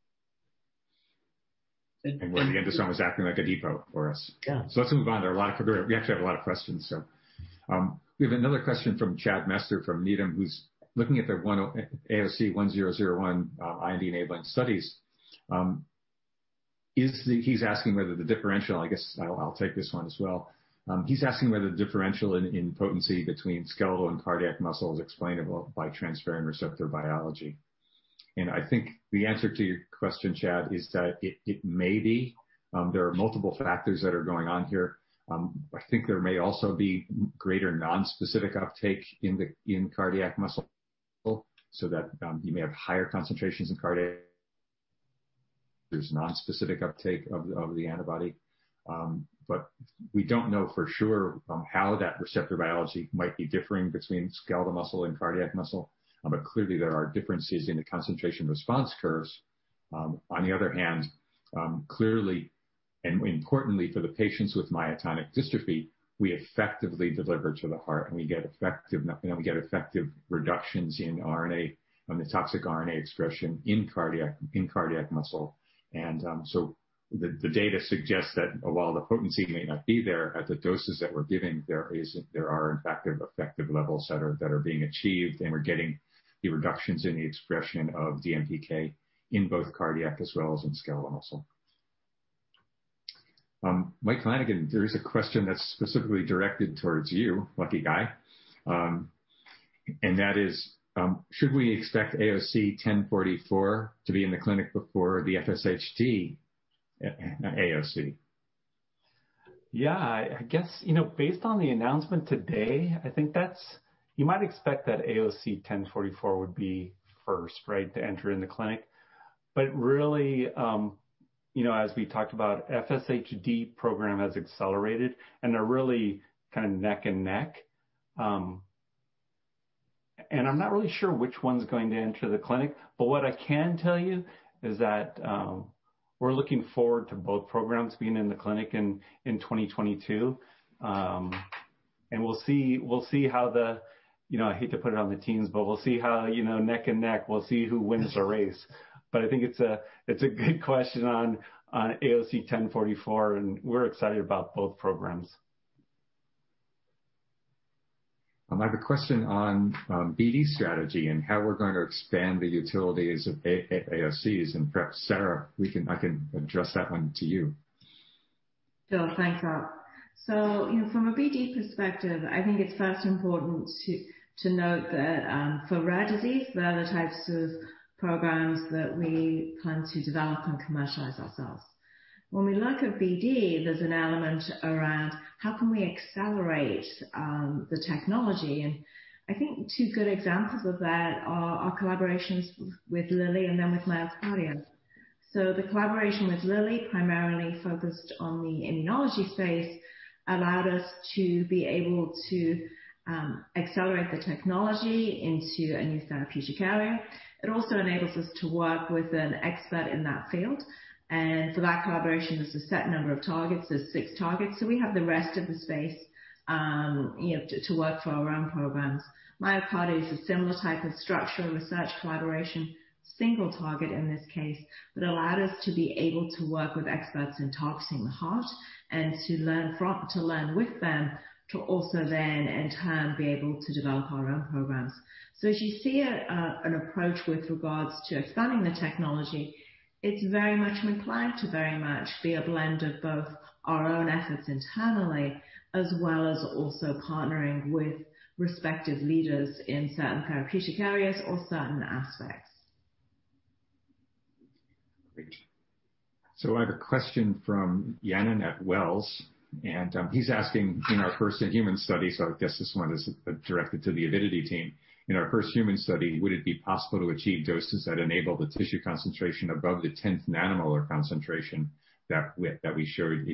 Where the endosome is acting like a depot for us. Yeah. Let's move on. We have to get a lot of questions in. We have another question from Chad Messer from Needham, who's looking at the AOC 1001 IND-enabling studies. I guess I'll take this one as well. He's asking whether the differential in potency between skeletal and cardiac muscle is explainable by transferrin receptor biology. I think the answer to your question, Chad, is that it may be. There are multiple factors that are going on here. I think there may also be greater nonspecific uptake in cardiac muscle so that you may have higher concentrations in cardiac, there's nonspecific uptake of the antibody. We don't know for sure how that receptor biology might be differing between skeletal muscle and cardiac muscle, but clearly, there are differences in the concentration response curves. Clearly and importantly for the patients with myotonic dystrophy, we effectively deliver to the heart, and we get effective reductions in the toxic RNA expression in cardiac muscle. The data suggests that while the potency may not be there at the doses that we're giving, there are effective levels that are being achieved, and we're getting the reductions in the expression of the DMPK in both cardiac as well as in skeletal muscle. Mike Flanagan, there is a question that's specifically directed towards you, lucky guy. Should we expect AOC 1044 to be in the clinic before the FSHD AOC? Yeah, I guess, based on the announcement today, you might expect that AOC 1044 would be first to enter in the clinic. As we talked about, FSHD program has accelerated, and they're really kind of neck and neck. I'm not really sure which one's going to enter the clinic, but what I can tell you is that we're looking forward to both programs being in the clinic in 2022. I hate to put it on the teams, but we'll see how neck and neck, we'll see who wins the race. I think it's a good question on AOC 1044, and we're excited about both programs. I have a question on BD strategy and how we're going to expand the utilities of AOCs. In fact, Sarah, I can address that one to you. Sure. Thanks, Art. From a BD perspective, I think it's first important to note that for rare disease, they're the types of programs that we plan to develop and commercialize ourselves. When we look at BD, there's an element around how can we accelerate the technology, and I think two good examples of that are our collaborations with Lilly and now with MyoKardia. The collaboration with Lilly primarily focused on the immunology space allowed us to be able to accelerate the technology into a new therapeutic area. It also enables us to work with an expert in that field. That collaboration is a set number of targets. There's six targets, so we have the rest of the space to work for our own programs. MyoKardia is a similar type of structure, a research collaboration, single target in this case, that allowed us to be able to work with experts in targeting the heart and to learn with them, to also then, in turn, be able to develop our own programs. As you see an approach with regards to expanding the technology, it's very much my plan to very much be a blend of both our own efforts internally as well as also partnering with respective leaders in certain therapeutic areas or certain aspects. Great. I have a question from Yanan at Wells Fargo, and he's asking in our first-in-human study, I guess this one is directed to the Avidity team. In our first-in-human study, would it be possible to achieve doses that enable the tissue concentration above the 10th nanomolar concentration that we showed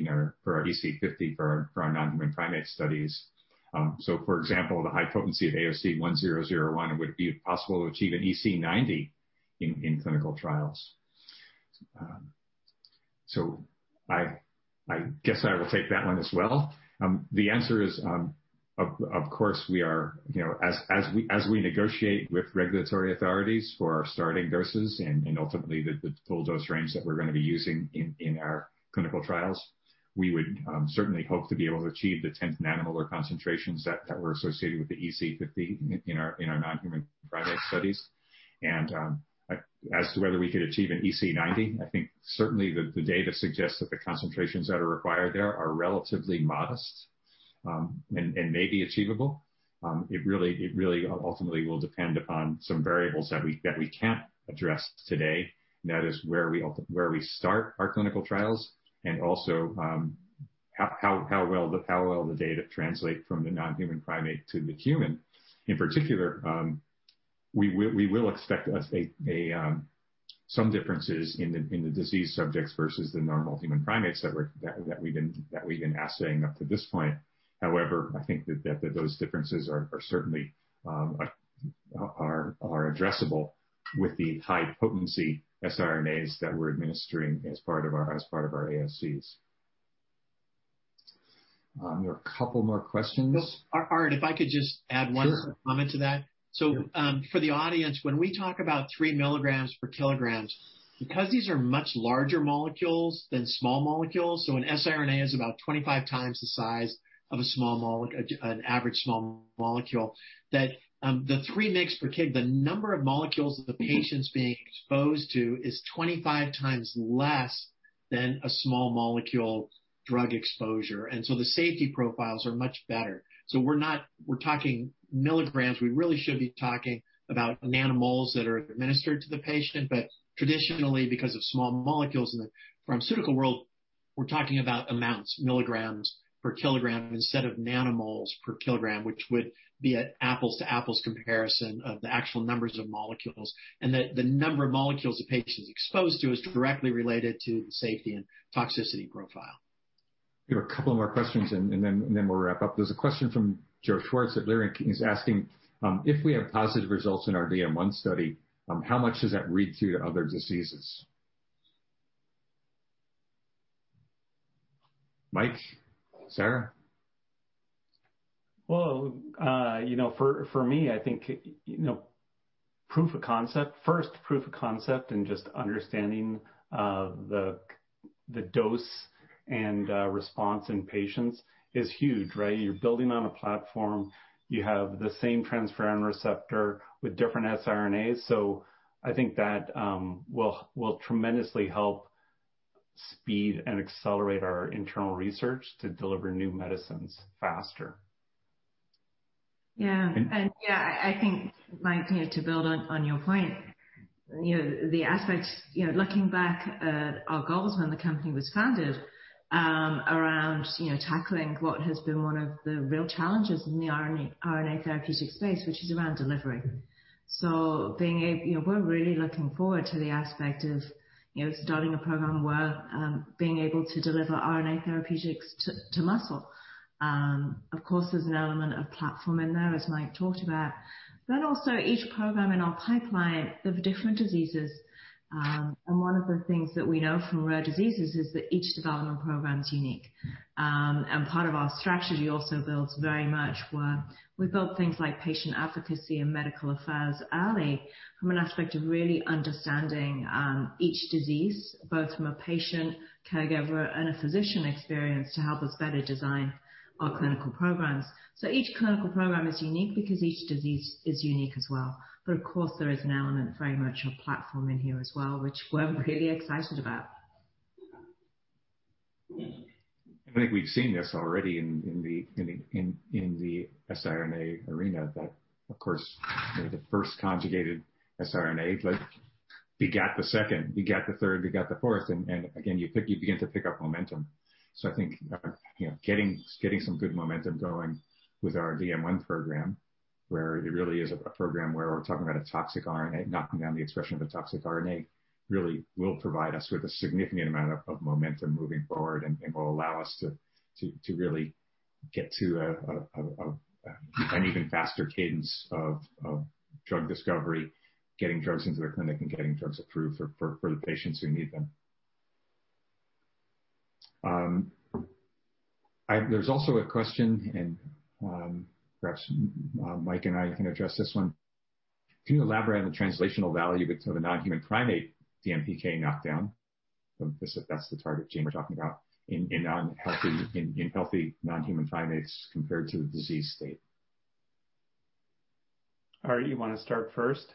for our EC50 for our non-human primate studies? For example, the high potency of AOC 1001 would it be possible to achieve an EC90 in clinical trials? I guess I will take that one as well. The answer is, of course, as we negotiate with regulatory authorities for our starting doses and ultimately the full dose range that we're going to be using in our clinical trials, we would certainly hope to be able to achieve the 10th nanomolar concentrations that were associated with the EC50 in our non-human primate studies. As to whether we could achieve an EC90, I think certainly the data suggests that the concentrations that are required there are relatively modest and may be achievable. It really ultimately will depend upon some variables that we can't address today, and that is where we start our clinical trials and also how well the data translate from the non-human primate to the human. In particular, we will expect some differences in the disease subjects versus the non-human primates that we've been assaying up to this point. However, I think that those differences are certainly addressable with the high potency siRNAs that we're administering as part of our AOCs. There are a couple more questions. Art if I could just add one comment to that. For the audience, when we talk about 3 mg per kg, because these are much larger molecules than small molecules, an siRNA is about 25x the size of an average small molecule, that the 3 mgs per kg, the number of molecules the patient's being exposed to is 25x less than a small molecule drug exposure. The safety profiles are much better. We're talking milligrams. We really should be talking about nanomoles that are administered to the patient, but traditionally, because of small molecules in the pharmaceutical world, we're talking about amounts, milligrams per kilogram instead of nanomoles per kilogram, which would be an apples-to-apples comparison of the actual numbers of molecules, and that the number of molecules a patient's exposed to is directly related to safety and toxicity profile. There are a couple more questions, then we'll wrap up. There's a question from Joe Schwartz at Leerink. He's asking, if we have positive results in our DM1 study, how much does that read through to other diseases? Mike, Sarah? Well, for me, I think first proof of concept and just understanding the dose and response in patients is huge, right? You're building on a platform. You have the same transferrin receptor with different siRNAs. I think that will tremendously help speed and accelerate our internal research to deliver new medicines faster. Yeah. I think, Mike, to build on your point, the aspects, looking back at our goals when the company was founded, around tackling what has been one of the real challenges in the RNA therapeutic space, which is around delivering. We're really looking forward to the aspect of starting a program where being able to deliver RNA therapeutics to muscle. Of course, there's an element of platform in there, as Mike talked about. Also each program in our pipeline for different diseases. One of the things that we know from rare diseases is that each development program is unique. Part of our strategy also builds very much where we built things like patient advocacy and medical affairs early from an aspect of really understanding each disease, both from a patient caregiver and a physician experience, to help us better design our clinical programs. Each clinical program is unique because each disease is unique as well. Of course, there is an element, very much a platform in here as well, which we're pretty excited about. I think we've seen this already in the siRNA arena, that, of course, the first conjugated siRNA. We got the second, we got the third, we got the fourth, again, you begin to pick up momentum. I think getting some good momentum going with our DM1 program, where it really is a program where we're talking about a toxic RNA, knocking down the expression of a toxic RNA, really will provide us with a significant amount of momentum moving forward. It will allow us to really get to an even faster cadence of drug discovery, getting drugs into the clinic, and getting drugs approved for the patients who need them. There's also a question. Perhaps Mike and I can address this one. Can you elaborate on the translational value of the non-human primate DMPK knockdown? That's the target gene we're talking about in healthy non-human primates compared to the disease state. Art, you want to start first?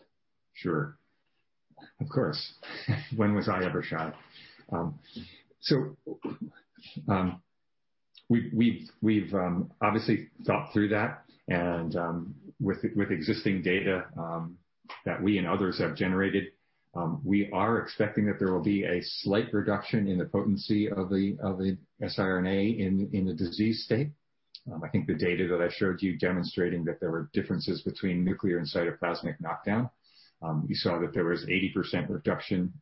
Sure. Of course. When was I ever shy? We've obviously thought through that, and with existing data that we and others have generated, we are expecting that there will be a slight reduction in the potency of the siRNA in the disease state. I think the data that I showed you demonstrating that there were differences between nuclear and cytoplasmic knockdown, you saw that there was 70% reduction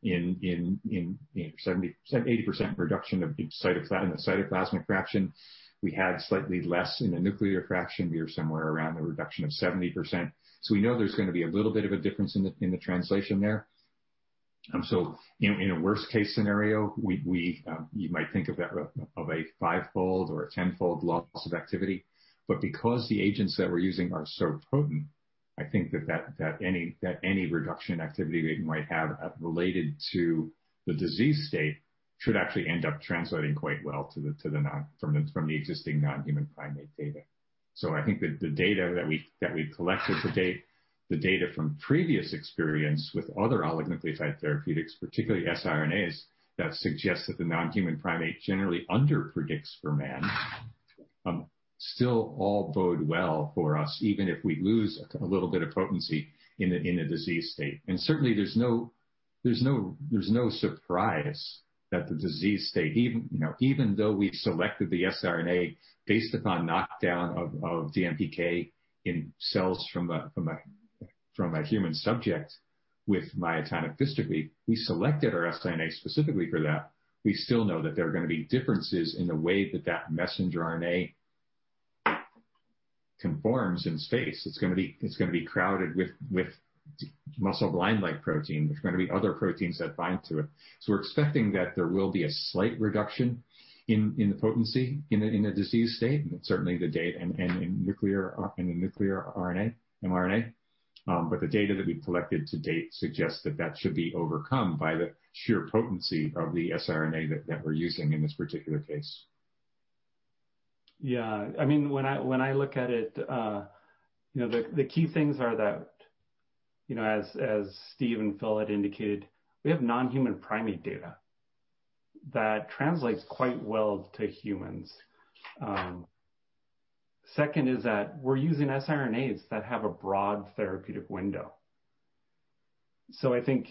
of cytoplasmic fraction. We had slightly less in the nuclear fraction, somewhere around a reduction of 70%. We know there's going to be a little bit of a difference in the translation there. In a worst case scenario, you might think of a fivefold or a 10-fold loss of activity. Because the agents that we're using are so potent, I think that any reduction activity we might have related to the disease state should actually end up translating quite well from the existing non-human primate data. I think that the data that we've collected to date the data from previous experience with other oligomer-based therapeutics, particularly siRNAs, that suggest that the non-human primate generally underpredicts for man, still all bode well for us, even if we lose a little bit of potency in a disease state. Certainly, there's no surprise that the disease state, even though we've selected the siRNA based upon knockdown of DMPK in cells from a human subject with myotonic dystrophy, we selected our siRNA specifically for that, we still know that there are going to be differences in the way that that messenger RNA conforms in space. It's going to be crowded with Muscleblind-like protein. There's going to be other proteins that bind to it. We're expecting that there will be a slight reduction in the potency in a diseased state, and certainly the data in the nuclear RNA, mRNA. The data that we've collected to date suggests that that should be overcome by the sheer potency of the siRNA that we're using in this particular case. When I look at it, the key things are that, as Steve and Phil had indicated, we have non-human primate data that translates quite well to humans. Second is that we're using siRNAs that have a broad therapeutic window. I think,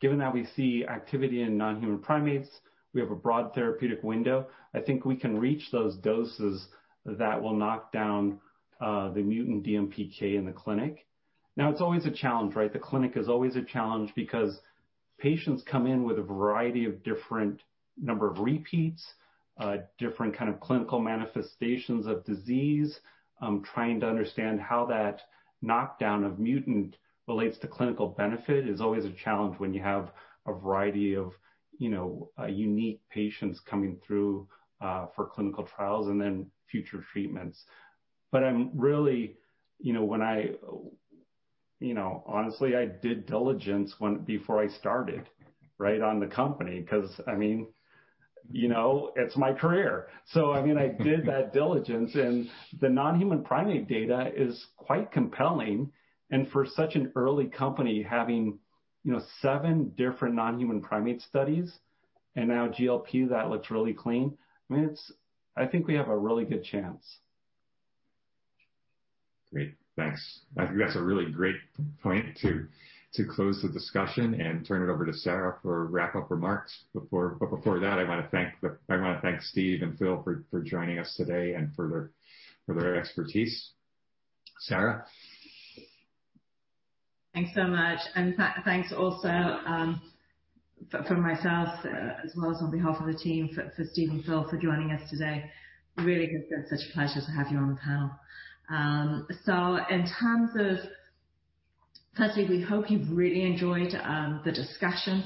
given that we see activity in non-human primates, we have a broad therapeutic window, I think we can reach those doses that will knock down the mutant DMPK in the clinic. It's always a challenge, right? The clinic is always a challenge because patients come in with a variety of different number of repeats, different kind of clinical manifestations of disease. Trying to understand how that knockdown of mutant relates to clinical benefit is always a challenge when you have a variety of unique patients coming through for clinical trials and then future treatments. Honestly, I did diligence before I started on the company because it's my career. I did that diligence, and the non-human primate data is quite compelling. For such an early company having seven different non-human primate studies and now GLP that looks really clean, I think we have a really good chance. Great. Thanks. I think that's a really great point to close the discussion and turn it over to Sarah for wrap-up remarks. Before that, I want to thank Steve and Phil for joining us today and for their expertise. Sarah? Thanks so much. Thanks also from myself as well as on behalf of the team for Steve and Phil for joining us today. Really been such a pleasure to have you on the panel. In terms of, firstly, we hope you've really enjoyed the discussion,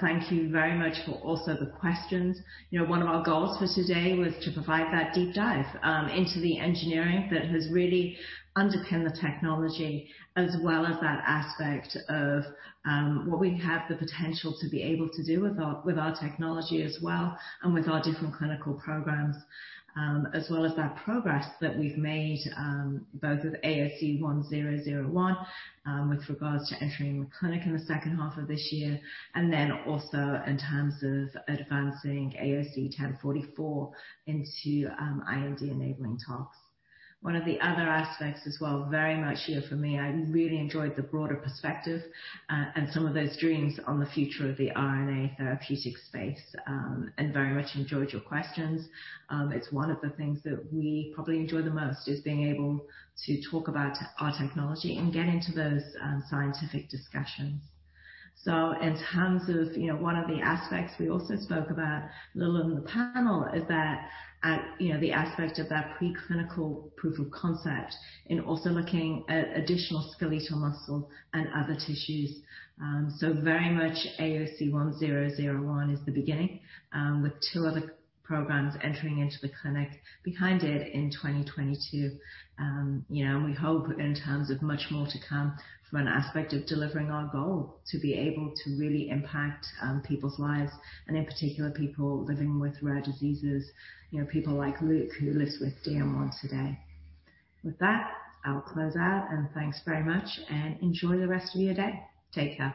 thank you very much for also the questions. One of our goals for today was to provide that deep dive into the engineering that has really underpinned the technology, as well as that aspect of what we have the potential to be able to do with our technology as well, with our different clinical programs, as well as that progress that we've made, both with AOC 1001, with regards to entering the clinic in the second half of this year, also in terms of advancing AOC 1044 into IND-enabling and IND-enabling tox. One of the other aspects as well, very much here for me, I really enjoyed the broader perspective and some of those dreams on the future of the RNA therapeutic space, very much enjoyed your questions. It's one of the things that we probably enjoy the most, is being able to talk about our technology and get into those scientific discussions. In terms of one of the aspects we also spoke about a little on the panel is the aspect of that pre-clinical proof of concept and also looking at additional skeletal muscle and other tissues. Very much AOC 1001 is the beginning, with two other programs entering into the clinic behind it in 2022. We hope in terms of much more to come from an aspect of delivering our goal, to be able to really impact people's lives, and in particular, people living with rare diseases, people like Luke who lives with Duchenne today. With that, I'll close out and thanks very much and enjoy the rest of your day. Take care.